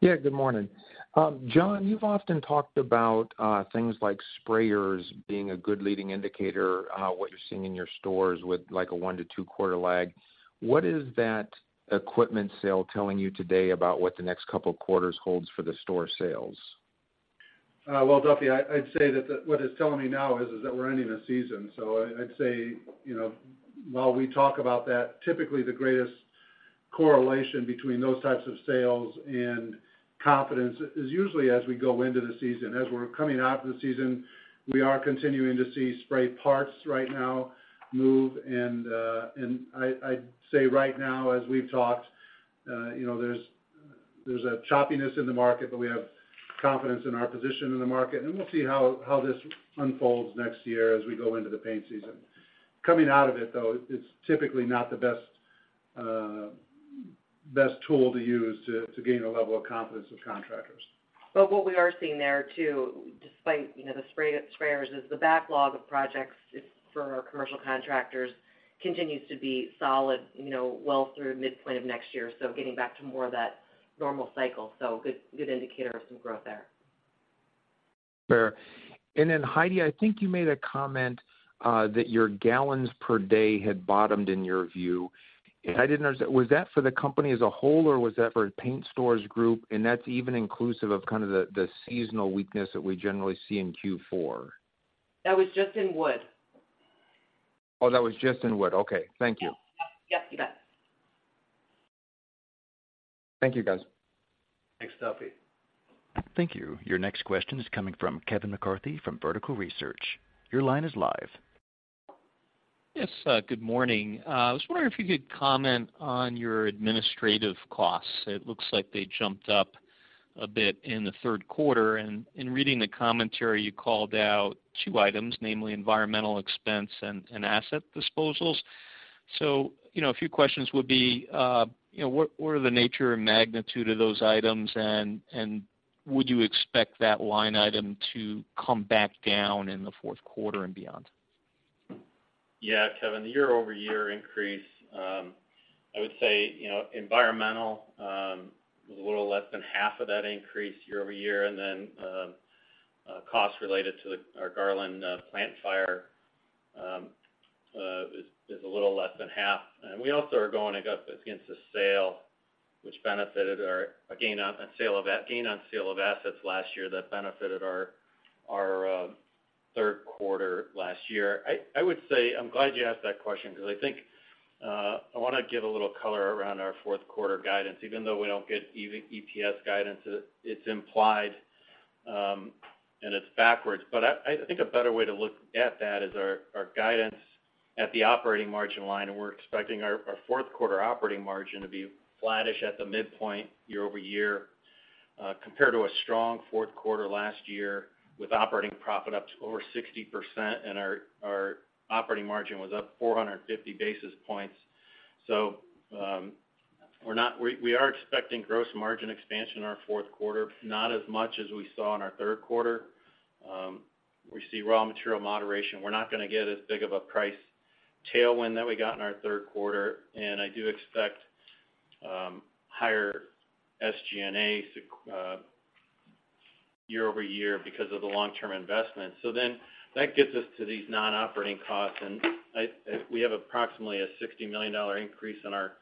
Yeah, good morning. John, you've often talked about things like sprayers being a good leading indicator, what you're seeing in your stores with like a one to two quarter lag. What is that equipment sale telling you today about what the next couple of quarters holds for the store sales? Well, Duffy, I'd say that the, what it's telling me now is that we're ending a season. So I'd say, you know, while we talk about that, typically the greatest correlation between those types of sales and confidence is usually as we go into the season. As we're coming out of the season, we are continuing to see spray parts right now move, and and I, I'd say right now, as we've talked, you know, there's a choppiness in the market, but we have confidence in our position in the market, and we'll see how this unfolds next year as we go into the paint season. Coming out of it, though, it's typically not the best best tool to use to gain a level of confidence with contractors. But what we are seeing there, too, despite you know the spray-sprayers, is the backlog of projects. It's for our commercial contractors and continues to be solid, you know, well through midpoint of next year. So getting back to more of that normal cycle. So good, good indicator of some growth there. Fair. And then, Heidi, I think you made a comment that your gallons per day had bottomed in your view. Was that for the company as a whole, or was that for a paint stores group? And that's even inclusive of kind of the, the seasonal weakness that we generally see in Q4. That was just in wood. Oh, that was just in wood. Okay, thank you. Yes. Yes, you bet. Thank you, guys. Thanks, Duffy. Thank you. Your next question is coming from Kevin McCarthy from Vertical Research. Your line is live. Yes, good morning. I was wondering if you could comment on your administrative costs. It looks like they jumped up a bit in the Q3, and in reading the commentary, you called out two items, namely environmental expense and asset disposals. So, you know, a few questions would be, you know, what are the nature and magnitude of those items, and would you expect that line item to come back down in the Q4 and beyond? Yeah, Kevin, the year-over-year increase, I would say, you know, environmental, was a little less than half of that increase year-over-year, and then, costs related to the, our Garland, plant fire, is a little less than half. And we also are going up against the sale, which benefited our, again, on a sale of that, gain on sale of assets last year that benefited our, our, Q3 last year. I would say, I'm glad you asked that question because I think, I want to give a little color around our Q4 guidance, even though we don't get EV-EPS guidance, it, it's implied, and it's backwards. But I think a better way to look at that is our guidance at the operating margin line, and we're expecting our Q4 operating margin to be flattish at the midpoint year-over-year, compared to a strong Q4 last year, with operating profit up to over 60%, and our operating margin was up 450 basis points. So, we're not, we are expecting gross margin expansion in our Q4, not as much as we saw in our Q3. We see raw material moderation. We're not going to get as big of a price tailwind that we got in our Q3, and I do expect higher SG&A year-over-year because of the long-term investment. So then, that gets us to these non-operating costs, and we have approximately a $60 million increase in our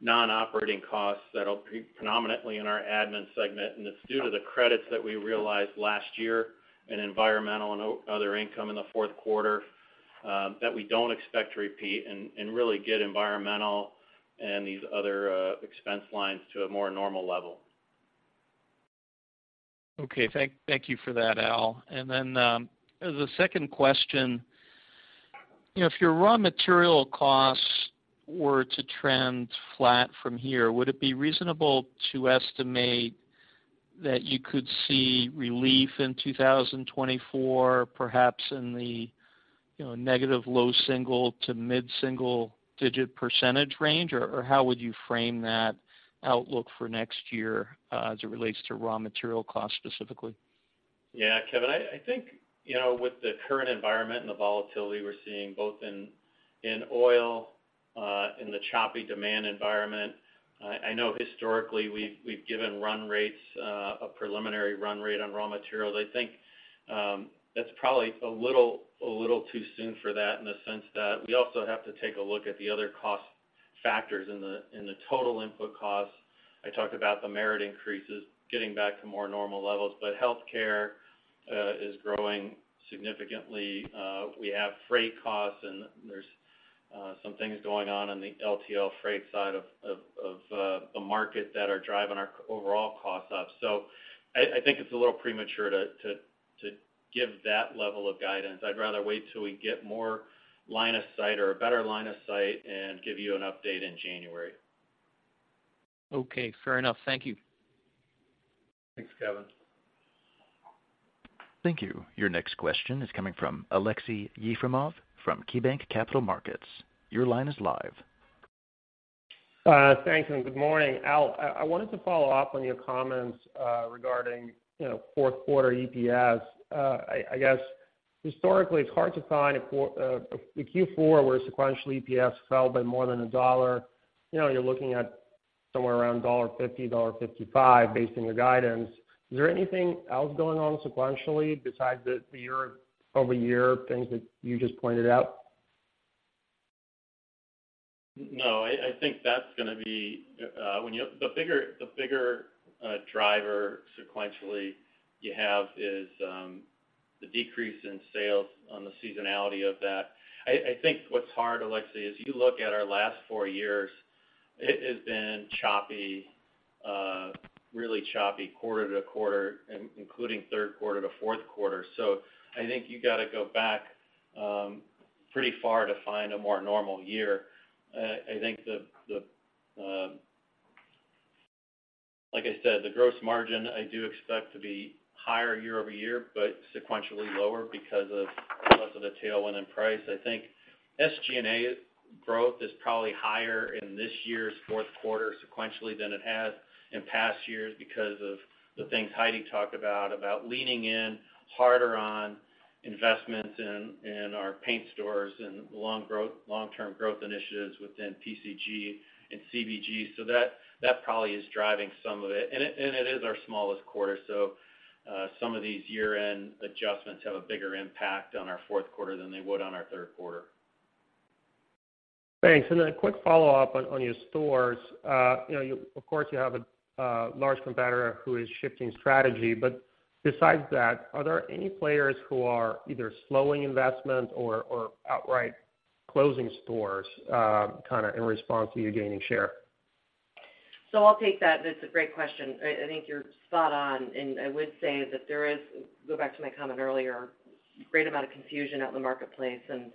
non-operating costs that'll be predominantly in our admin segment. And it's due to the credits that we realized last year in environmental and other income in the Q4 that we don't expect to repeat and really get environmental and these other expense lines to a more normal level. Okay, thank, thank you for that, Allen. And then, as a second question: you know, if your raw material costs were to trend flat from here, would it be reasonable to estimate that you could see relief in 2024, perhaps in the, you know, negative low single- to mid-single-digit percentage range? Or, or how would you frame that outlook for next year, as it relates to raw material costs, specifically? Yeah, Kevin, I think, you know, with the current environment and the volatility we're seeing, both in oil, in the choppy demand environment, I know historically we've given run rates, a preliminary run rate on raw materials. I think that's probably a little too soon for that, in the sense that we also have to take a look at the other cost factors in the total input costs. I talked about the merit increases getting back to more normal levels, but healthcare is growing significantly. We have freight costs, and there's some things going on in the LTL freight side of the market that are driving our overall costs up. So I think it's a little premature to give that level of guidance. I'd rather wait till we get more line of sight or a better line of sight and give you an update in January. Okay, fair enough. Thank you. Thanks, Kevin. Thank you. Your next question is coming from Aleksey Yefremov, from KeyBanc Capital Markets. Your line is live. Thank you, and good morning. Allen, I wanted to follow up on your comments regarding, you know, Q4 EPS. I guess, historically, it's hard to find a Q4 where sequentially EPS fell by more than a dollar. You know, you're looking at somewhere around $1.50, $1.55, based on your guidance. Is there anything else going on sequentially besides the year-over-year things that you just pointed out? No, I think that's gonna be the bigger driver sequentially you have is the decrease in sales on the seasonality of that. I think what's hard, Aleksey, as you look at our last four years, it has been choppy, really choppy quarter-to-quarter, including Q3 to Q4. So I think you gotta go back pretty far to find a more normal year. I think, like I said, the gross margin, I do expect to be higher year-over-year, but sequentially lower because of less of the tailwind in price. I think SG&A growth is probably higher in this year's Q4 sequentially than it has in past years because of the things Heidi talked about, about leaning in harder on investments in our paint stores and long growth, long-term growth initiatives within PCG and CBG. So that probably is driving some of it. It is our smallest quarter, so some of these year-end adjustments have a bigger impact on our Q4 than they would on our Q3. Thanks. And then a quick follow-up on your stores. You know, of course, you have a large competitor who is shifting strategy. But besides that, are there any players who are either slowing investment or outright closing stores, kind of in response to you gaining share? So I'll take that. That's a great question. I think you're spot on, and I would say that there is, go back to my comment earlier, great amount of confusion out in the marketplace, and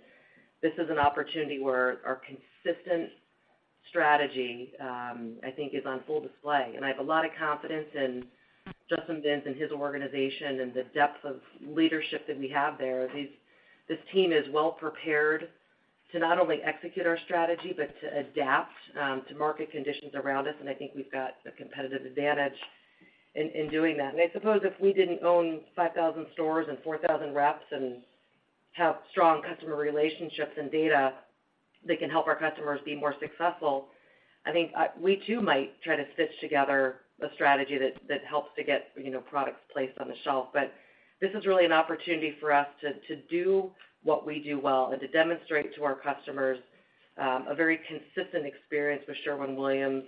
this is an opportunity where our consistent strategy, I think is on full display. And I have a lot of confidence in Justin Binns and his organization and the depth of leadership that we have there. This team is well prepared to not only execute our strategy, but to adapt to market conditions around us, and I think we've got a competitive advantage in doing that. And I suppose if we didn't own 5,000 stores and 4,000 reps and have strong customer relationships and data that can help our customers be more successful, I think, we too, might try to stitch together a strategy that helps to get, you know, products placed on the shelf. But this is really an opportunity for us to do what we do well and to demonstrate to our customers a very consistent experience with Sherwin-Williams.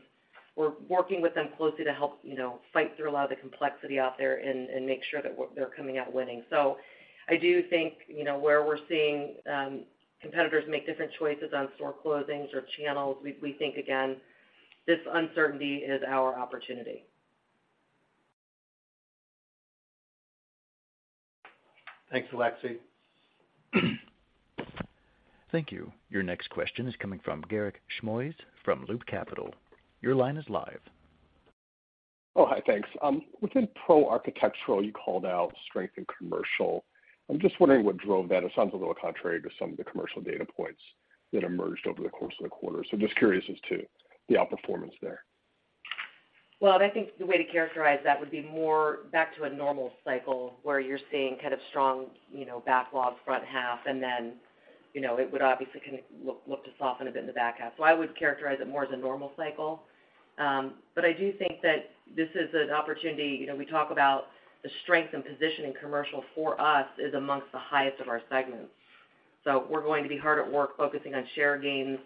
We're working with them closely to help, you know, fight through a lot of the complexity out there and make sure that they're coming out winning. So I do think, you know, where we're seeing competitors make different choices on store closings or channels, we think, again, this uncertainty is our opportunity. Thanks, Aleksey. Thank you. Your next question is coming from Garik Shmois from Loop Capital. Your line is live. Oh, hi, thanks. Within pro architectural, you called out strength and commercial. I'm just wondering what drove that. It sounds a little contrary to some of the commercial data points that emerged over the course of the quarter. So just curious as to the outperformance there. Well, I think the way to characterize that would be more back to a normal cycle, where you're seeing kind of strong, you know, backlog front half, and then, you know, it would obviously kind of look to soften a bit in the back half. So I would characterize it more as a normal cycle. But I do think that this is an opportunity. You know, we talk about the strength and position in commercial for us is amongst the highest of our segments. So we're going to be hard at work, focusing on share gains,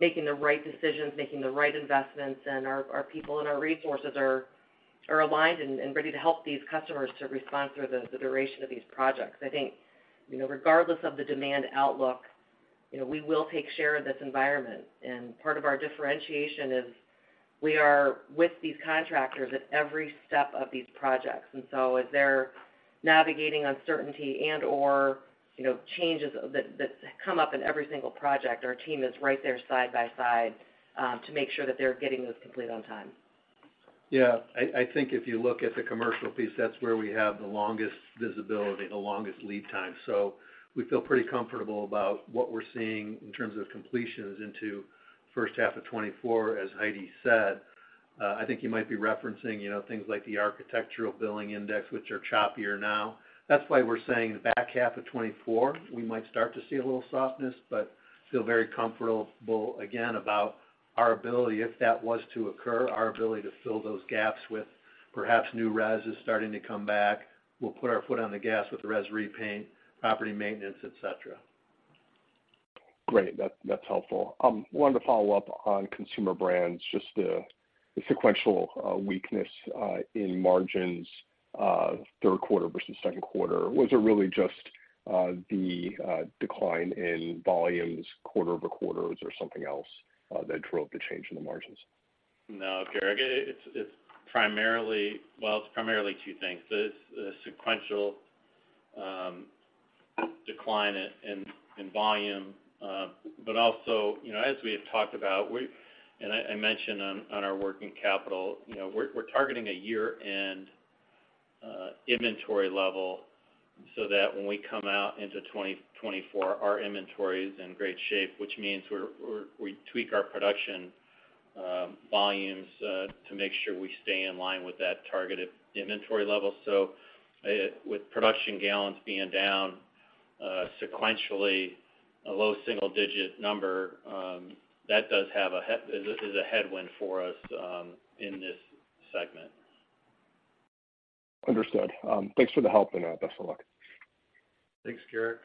making the right decisions, making the right investments, and our people and our resources are aligned and ready to help these customers to respond through the duration of these projects. I think, you know, regardless of the demand outlook, you know, we will take share of this environment, and part of our differentiation is we are with these contractors at every step of these projects. And so as they're navigating uncertainty and/or, you know, changes that come up in every single project, our team is right there side by side, to make sure that they're getting those complete on time. Yeah. I think if you look at the commercial piece, that's where we have the longest visibility, the longest lead time. So we feel pretty comfortable about what we're seeing in terms of completions into first half of 2024, as Heidi said. I think you might be referencing, you know, things like the Architecture Billings Index, which are choppier now. That's why we're saying the back half of 2024, we might start to see a little softness, but feel very comfortable, again, about our ability, if that was to occur, our ability to fill those gaps with perhaps new res is starting to come back. We'll put our foot on the gas with res repaint, property maintenance, et cetera. Great, that's, that's helpful. Wanted to follow up on consumer brands, just the, the sequential weakness in margins Q3 versus Q2. Was it really just the decline in volumes quarter-over-quarter, or was there something else that drove the change in the margins? No, Garik, it's primarily, well, it's primarily two things. The sequential decline in volume, but also, you know, as we have talked about, we, and I mentioned on our working capital, you know, we're targeting a year-end inventory level so that when we come out into 2024, our inventory is in great shape, which means we're, we tweak our production volumes to make sure we stay in line with that targeted inventory level. So, with production gallons being down sequentially, a low single-digit number, that does have a head, is a headwind for us in this segment. Understood. Thanks for the help, and best of luck. Thanks, Garik.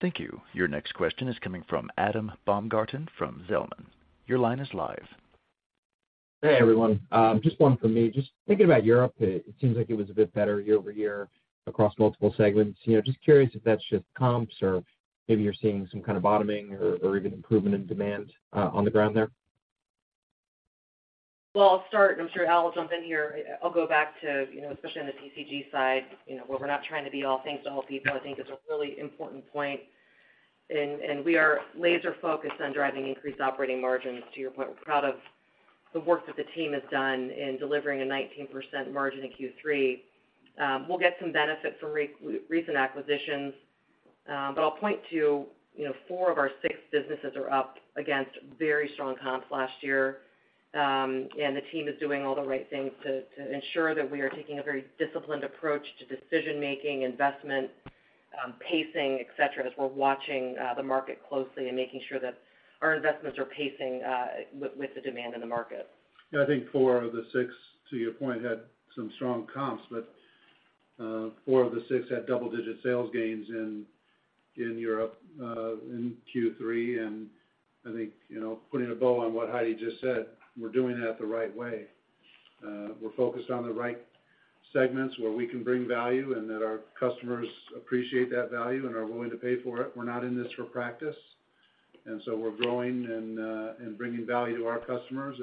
Thank you. Your next question is coming from Adam Baumgarten from Zelman. Your line is live. Hey, everyone, just one from me. Just thinking about Europe, it seems like it was a bit better year-over-year across multiple segments. You know, just curious if that's just comps or maybe you're seeing some kind of bottoming or even improvement in demand on the ground there? Well, I'll start, and I'm sure Allen will jump in here. I'll go back to, you know, especially on the TCG side, you know, where we're not trying to be all things to all people. I think it's a really important point, and we are laser focused on driving increased operating margins, to your point. We're proud of the work that the team has done in delivering a 19% margin in Q3. We'll get some benefit from recent acquisitions, but I'll point to, you know, four of our six businesses are up against very strong comps last year. The team is doing all the right things to ensure that we are taking a very disciplined approach to decision-making, investment, pacing, et cetera, as we're watching the market closely and making sure that our investments are pacing with the demand in the market. Yeah, I think four of the six, to your point, had some strong comps, but four of the six had double-digit sales gains in Europe in Q3. And I think, you know, putting a bow on what Heidi just said, we're doing that the right way. We're focused on the right segments where we can bring value and that our customers appreciate that value and are willing to pay for it. We're not in this for practice, and so we're growing and bringing value to our customers,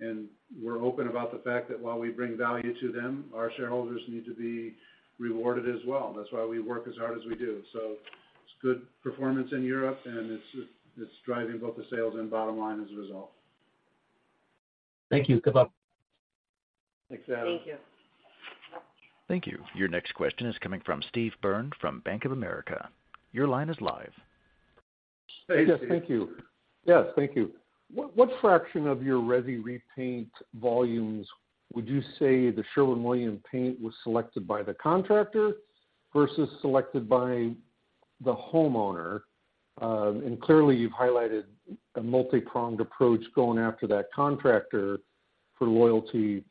and we're open about the fact that while we bring value to them, our shareholders need to be rewarded as well. That's why we work as hard as we do. So it's good performance in Europe, and it's driving both the sales and bottom line as a result. Thank you. Goodbye. Thanks, Adam. Thank you. Thank you. Your next question is coming from Steve Byrne from Bank of America. Your line is live. Hey, Steve, thank you. Yes, thank you. What fraction of your resi repaint volumes would you say the Sherwin-Williams paint was selected by the contractor versus selected by the homeowner? And clearly, you've highlighted a multipronged approach going after that contractor for loyalty.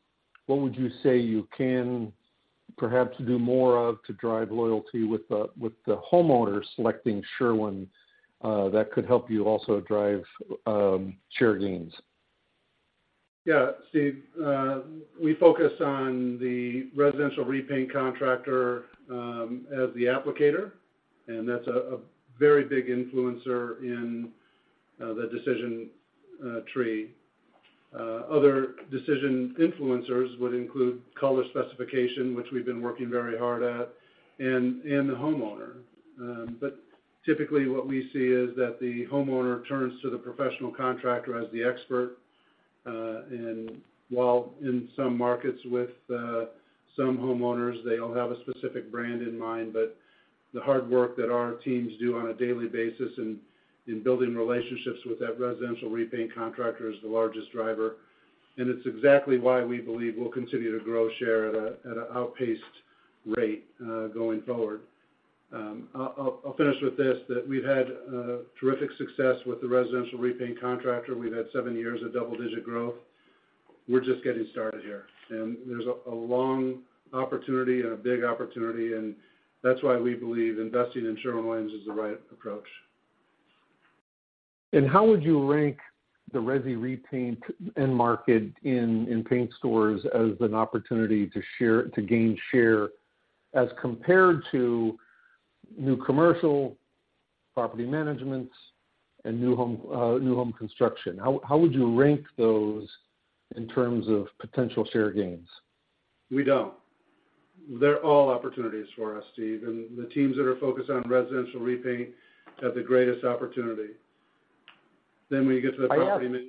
What would you say you can perhaps do more of to drive loyalty with the homeowner selecting Sherwin that could help you also drive share gains? Yeah, Steve, we focus on the residential repaint contractor as the applicator, and that's a very big influencer in the decision tree. Other decision influencers would include color specification, which we've been working very hard at, and the homeowner. But typically, what we see is that the homeowner turns to the professional contractor as the expert. And while in some markets with some homeowners, they'll have a specific brand in mind, but the hard work that our teams do on a daily basis in building relationships with that residential repaint contractor is the largest driver. And it's exactly why we believe we'll continue to grow share at an outpaced rate going forward. I'll finish with this, that we've had terrific success with the residential repaint contractor. We've had seven years of double-digit growth. We're just getting started here, and there's a long opportunity and a big opportunity, and that's why we believe investing in Sherwin-Williams is the right approach. How would you rank the resi repaint end market in, in paint stores as an opportunity to share, to gain share, as compared to new commercial, property management, and new home, new home construction? How would you rank those in terms of potential share gains? We don't. They're all opportunities for us, Steve, and the teams that are focused on residential repaint have the greatest opportunity. Then, when you get to the property management- I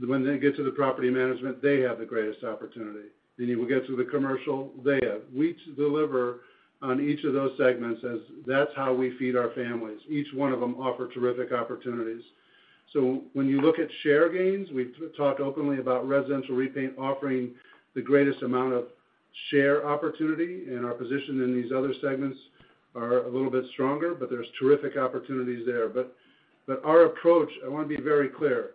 ask When they get to the property management, they have the greatest opportunity. Then you will get to the commercial, they have. We deliver on each of those segments as that's how we feed our families. Each one of them offer terrific opportunities. So when you look at share gains, we've talked openly about residential repaint offering the greatest amount of share opportunity, and our position in these other segments are a little bit stronger, but there's terrific opportunities there. But, but our approach, I wanna be very clear,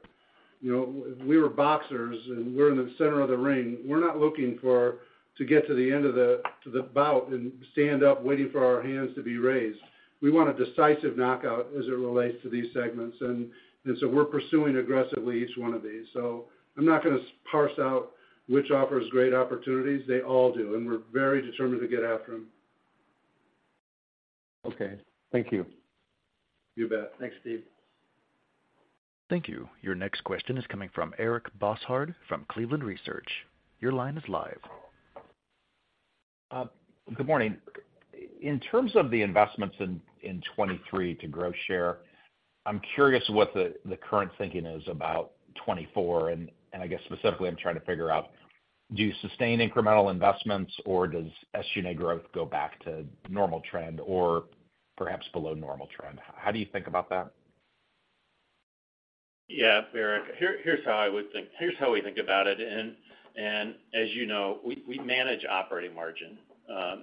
you know, we were boxers, and we're in the center of the ring. We're not looking for—to get to the bout and stand up, waiting for our hands to be raised. We want a decisive knockout as it relates to these segments, and, and so we're pursuing aggressively each one of these. I'm not gonna parse out which offers great opportunities. They all do, and we're very determined to get after them. Okay, thank you. You bet. Thanks, Steve. Thank you. Your next question is coming from Eric Bosshard from Cleveland Research. Your line is live. Good morning. In terms of the investments in 2023 to grow share, I'm curious what the current thinking is about 2024, and I guess specifically, I'm trying to figure out, do you sustain incremental investments, or does SG&A growth go back to normal trend or perhaps below normal trend? How do you think about that? Yeah, Eric, here's how we think about it, and as you know, we manage operating margin,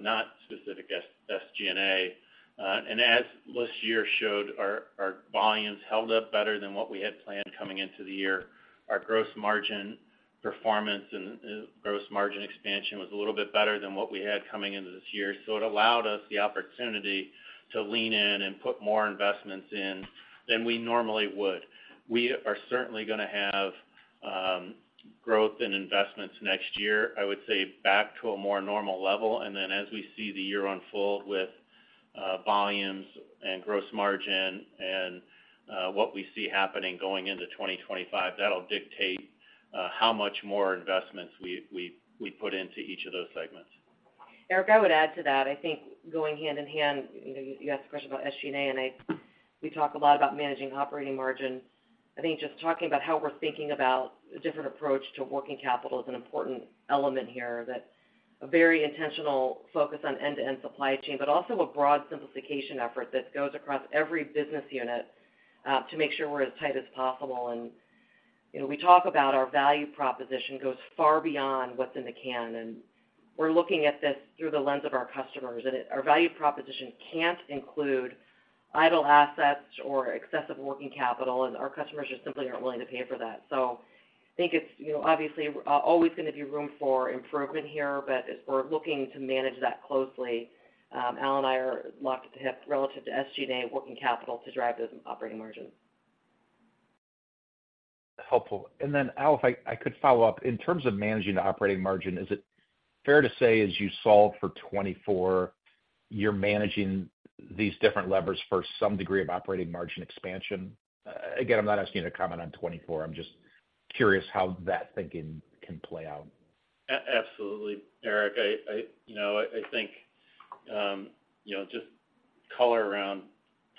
not specific SG&A. And as last year showed, our volumes held up better than what we had planned coming into the year. Our gross margin performance and gross margin expansion was a little bit better than what we had coming into this year. So it allowed us the opportunity to lean in and put more investments in than we normally would. We are certainly gonna have growth in investments next year, I would say, back to a more normal level. And then, as we see the year unfold with volumes and gross margin and what we see happening going into 2025, that'll dictate how much more investments we put into each of those segments. Eric, I would add to that. I think going hand in hand, you know, you asked a question about SG&A, and we talk a lot about managing operating margin. I think just talking about how we're thinking about a different approach to working capital is an important element here, that a very intentional focus on end-to-end supply chain, but also a broad simplification effort that goes across every business unit, to make sure we're as tight as possible. And, you know, we talk about our value proposition goes far beyond what's in the can, and we're looking at this through the lens of our customers. And our value proposition can't include idle assets or excessive working capital, and our customers just simply aren't willing to pay for that. So I think it's, you know, obviously, always gonna be room for improvement here, but as we're looking to manage that closely, Allen and I are locked at the hip relative to SG&A working capital to drive those operating margins. Helpful. And then, Allen, if I could follow up. In terms of managing the operating margin, is it fair to say, as you solve for 2024, you're managing these different levers for some degree of operating margin expansion? Again, I'm not asking you to comment on 2024. I'm just curious how that thinking can play out. Absolutely, Eric. You know, I think, you know, just color around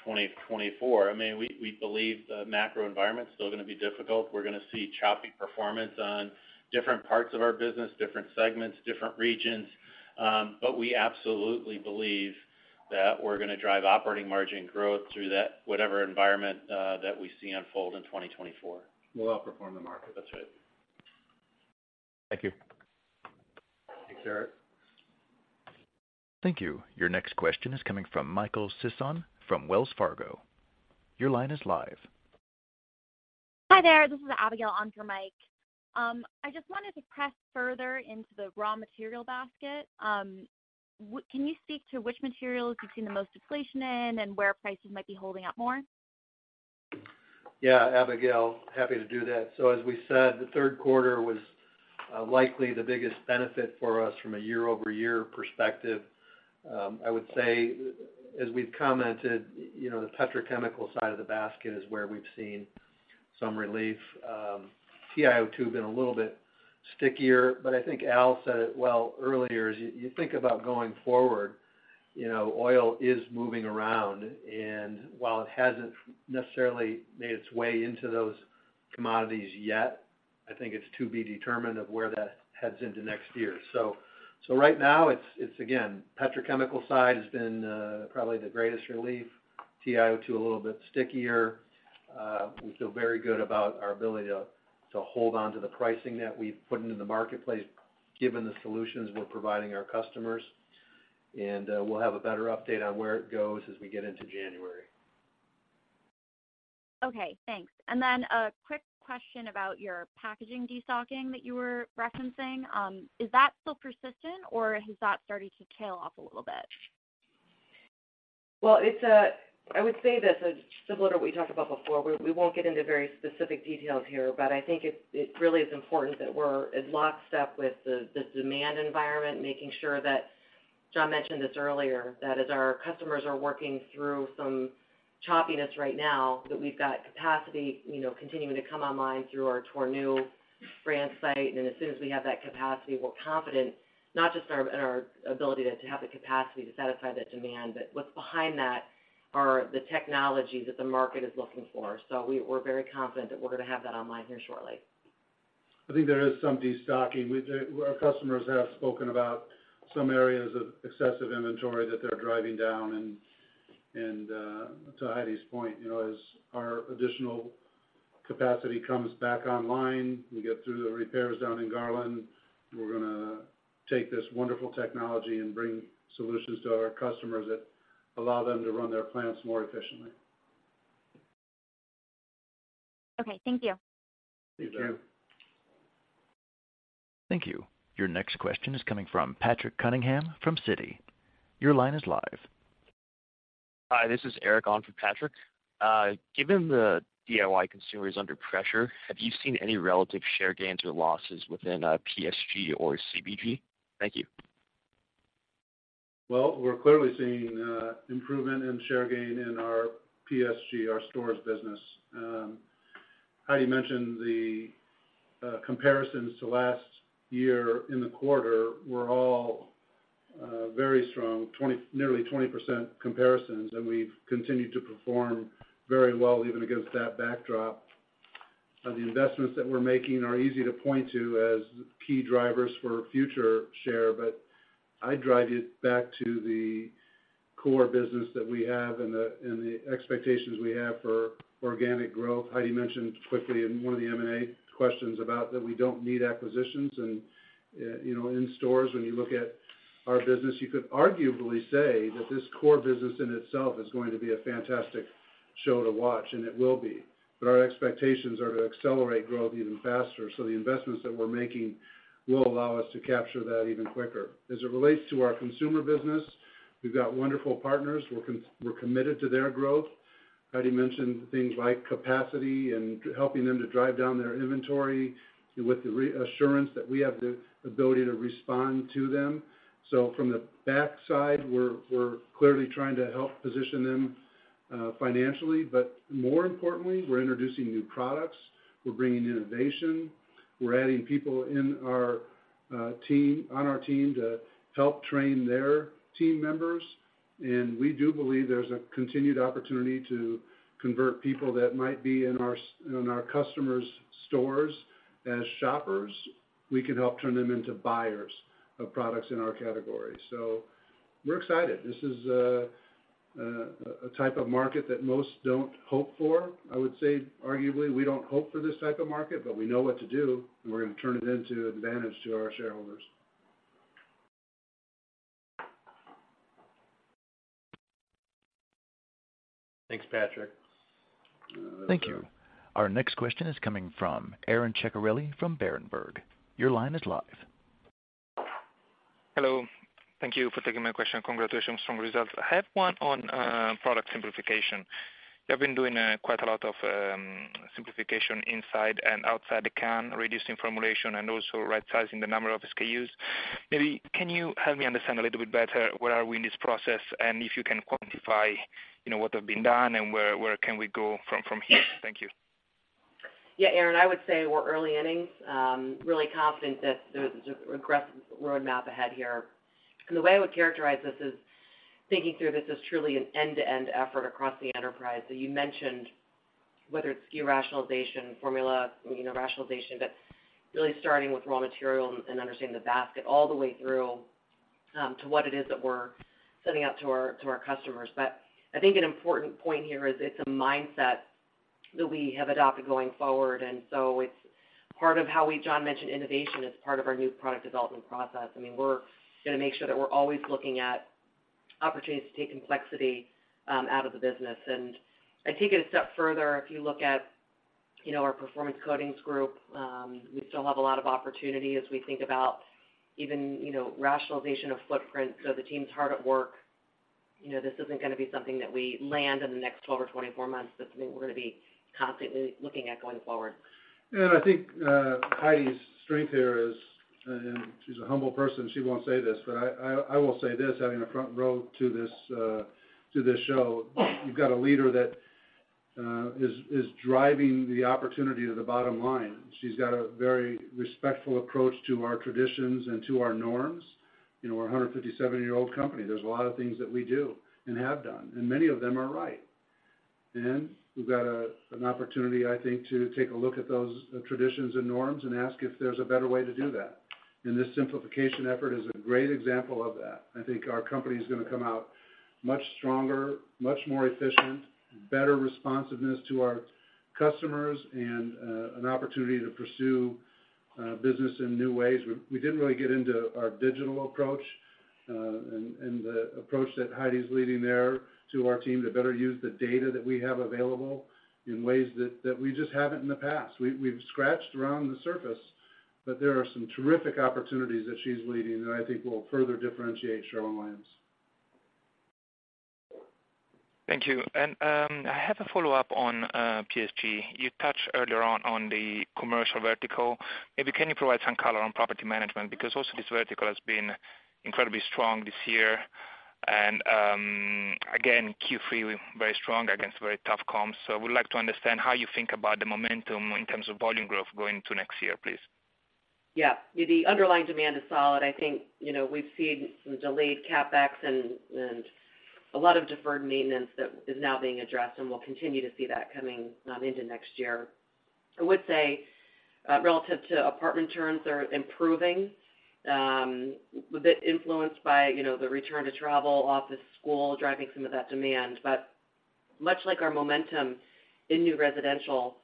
2024. I mean, we believe the macro environment is still going to be difficult. We're going to see choppy performance on different parts of our business, different segments, different regions. But we absolutely believe that we're going to drive operating margin growth through that, whatever environment that we see unfold in 2024. We'll outperform the market. That's right. Thank you. Thanks, Eric. Thank you. Your next question is coming from Michael Sisson from Wells Fargo. Your line is live. Hi there, this is Abigail on for Mike. I just wanted to press further into the raw material basket. Can you speak to which materials you've seen the most deflation in and where prices might be holding up more? Yeah, Abigail, happy to do that. So as we said, the Q3 was likely the biggest benefit for us from a year-over-year perspective. I would say, as we've commented, you know, the petrochemical side of the basket is where we've seen some relief. TiO2 has been a little bit stickier, but I think Allen said it well earlier, as you think about going forward, you know, oil is moving around, and while it hasn't necessarily made its way into those commodities yet, I think it's to be determined of where that heads into next year. So right now, it's again, petrochemical side has been probably the greatest relief. TiO2, a little bit stickier. We feel very good about our ability to hold on to the pricing that we've put into the marketplace, given the solutions we're providing our customers. We'll have a better update on where it goes as we get into January. Okay, thanks. A quick question about your packaging destocking that you were referencing. Is that still persistent or has that started to tail off a little bit? Well, it's a, I would say this, as similar to what we talked about before, we, we won't get into very specific details here, but I think it, it really is important that we're in lockstep with the, the demand environment, making sure that, John mentioned this earlier, that as our customers are working through some choppiness right now, that we've got capacity, you know, continuing to come online through our Tournefeuille plant site. And as soon as we have that capacity, we're confident not just in our, in our ability to have the capacity to satisfy that demand, but what's behind that are the technologies that the market is looking for. So we're very confident that we're going to have that online here shortly. I think there is some destocking. Our customers have spoken about some areas of excessive inventory that they're driving down, and to Heidi's point, you know, as our additional capacity comes back online, we get through the repairs down in Garland, we're gonna take this wonderful technology and bring solutions to our customers that allow them to run their plants more efficiently. Okay. Thank you. Thank you. Thank you. Your next question is coming from Patrick Cunningham from Citi. Your line is live. Hi, this is Eric on for Patrick. Given the DIY consumer is under pressure, have you seen any relative share gains or losses within PSG or CBG? Thank you. Well, we're clearly seeing improvement in share gain in our PSG, our stores business. Heidi mentioned the comparisons to last year in the quarter were all very strong, nearly 20% comparisons, and we've continued to perform very well, even against that backdrop. The investments that we're making are easy to point to as key drivers for future share, but I'd drive you back to the core business that we have and the, and the expectations we have for organic growth. Heidi mentioned quickly in one of the M&A questions about that we don't need acquisitions. And, you know, in stores, when you look at our business, you could arguably say that this core business in itself is going to be a fantastic show to watch, and it will be. But our expectations are to accelerate growth even faster. So the investments that we're making will allow us to capture that even quicker. As it relates to our consumer business, we've got wonderful partners. We're committed to their growth. Heidi mentioned things like capacity and helping them to drive down their inventory with the reassurance that we have the ability to respond to them. So from the backside, we're clearly trying to help position them financially, but more importantly, we're introducing new products, we're bringing innovation, we're adding people on our team to help train their team members. And we do believe there's a continued opportunity to convert people that might be in our customers' stores as shoppers. We can help turn them into buyers of products in our category. So we're excited. This is a type of market that most don't hope for. I would say, arguably, we don't hope for this type of market, but we know what to do, and we're going to turn it into an advantage to our shareholders. Thanks, Eric. Thank you. Our next question is coming from Aron Ceccarelli from Berenberg. Your line is live. Hello. Thank you for taking my question. Congratulations on strong results. I have one on product simplification. You have been doing quite a lot of simplification inside and outside the can, reducing formulation and also right-sizing the number of SKUs. Maybe can you help me understand a little bit better, where are we in this process? And if you can quantify, you know, what have been done and where, where can we go from here? Thank you. Yeah, Aron, I would say we're early innings, really confident that there's an aggressive roadmap ahead here. And the way I would characterize this is thinking through this is truly an end-to-end effort across the enterprise. So you mentioned whether it's SKU rationalization, formula, you know, rationalization, but really starting with raw material and understanding the basket all the way through, to what it is that we're sending out to our customers. But I think an important point here is it's a mindset that we have adopted going forward, and so it's part of how we, John mentioned innovation as part of our new product development process. I mean, we're gonna make sure that we're always looking at opportunities to take complexity out of the business. And I'd take it a step further. If you look at, you know, our Performance Coatings Group, we still have a lot of opportunity as we think about even, you know, rationalization of footprint. So the team's hard at work. You know, this isn't gonna be something that we land in the next 12 or 24 months. This is something we're gonna be constantly looking at going forward. I think, Heidi's strength here is, and she's a humble person, she won't say this, but I will say this, having a front row to this show, you've got a leader that is driving the opportunity to the bottom line. She's got a very respectful approach to our traditions and to our norms. You know, we're a 157 year-old company. There's a lot of things that we do and have done, and many of them are right. And we've got an opportunity, I think, to take a look at those traditions and norms and ask if there's a better way to do that. And this simplification effort is a great example of that. I think our company is gonna come out much stronger, much more efficient, better responsiveness to our customers, and an opportunity to pursue business in new ways. We didn't really get into our digital approach, and the approach that Heidi's leading there to our team to better use the data that we have available in ways that we just haven't in the past. We've scratched around the surface, but there are some terrific opportunities that she's leading that I think will further differentiate Sherwin-Williams. Thank you. And I have a follow-up on PSG. You touched earlier on the commercial vertical. Maybe can you provide some color on property management? Because also this vertical has been incredibly strong this year, and again, Q3, very strong against very tough comps. So I would like to understand how you think about the momentum in terms of volume growth going into next year, please. Yeah, the underlying demand is solid. I think, you know, we've seen some delayed CapEx and a lot of deferred maintenance that is now being addressed, and we'll continue to see that coming into next year. I would say relative to apartment turns are improving a bit influenced by, you know, the return to travel, office, school, driving some of that demand. But much like our momentum in new residential,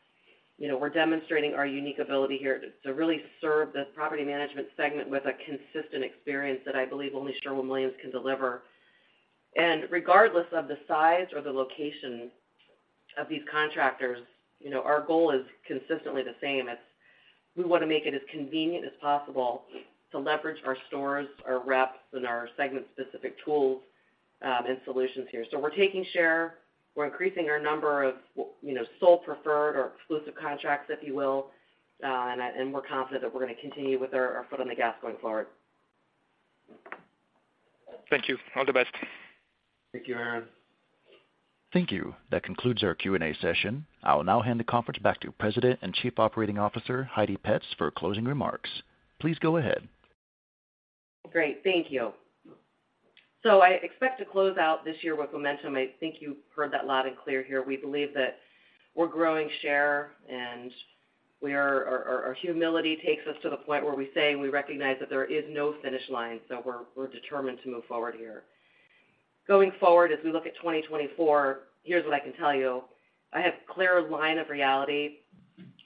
you know, we're demonstrating our unique ability here to really serve the property management segment with a consistent experience that I believe only Sherwin-Williams can deliver. And regardless of the size or the location of these contractors, you know, our goal is consistently the same. It's we wanna make it as convenient as possible to leverage our stores, our reps, and our segment-specific tools and solutions here. So we're taking share. We're increasing our number of, you know, sole preferred or exclusive contracts, if you will, and we're confident that we're gonna continue with our, our foot on the gas going forward. Thank you. All the best. Thank you, Aron. Thank you. That concludes our Q&A session. I will now hand the conference back to President and Chief Operating Officer, Heidi Petz, for closing remarks. Please go ahead. Great. Thank you. So I expect to close out this year with momentum. I think you heard that loud and clear here. We believe that we're growing share, and our humility takes us to the point where we say we recognize that there is no finish line, so we're determined to move forward here. Going forward, as we look at 2024, here's what I can tell you: I have clear line of reality.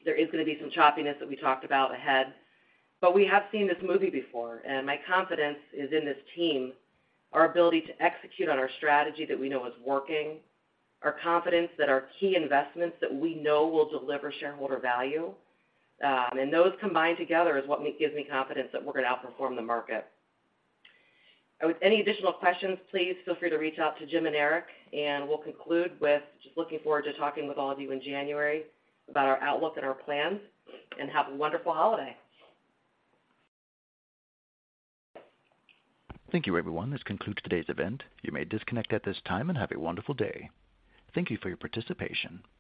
There is gonna be some choppiness that we talked about ahead, but we have seen this movie before, and my confidence is in this team, our ability to execute on our strategy that we know is working, our confidence that our key investments that we know will deliver shareholder value. And those combined together is what gives me confidence that we're gonna outperform the market. With any additional questions, please feel free to reach out to Jim and Eric, and we'll conclude with just looking forward to talking with all of you in January about our outlook and our plans, and have a wonderful holiday. Thank you, everyone. This concludes today's event. You may disconnect at this time, and have a wonderful day. Thank you for your participation.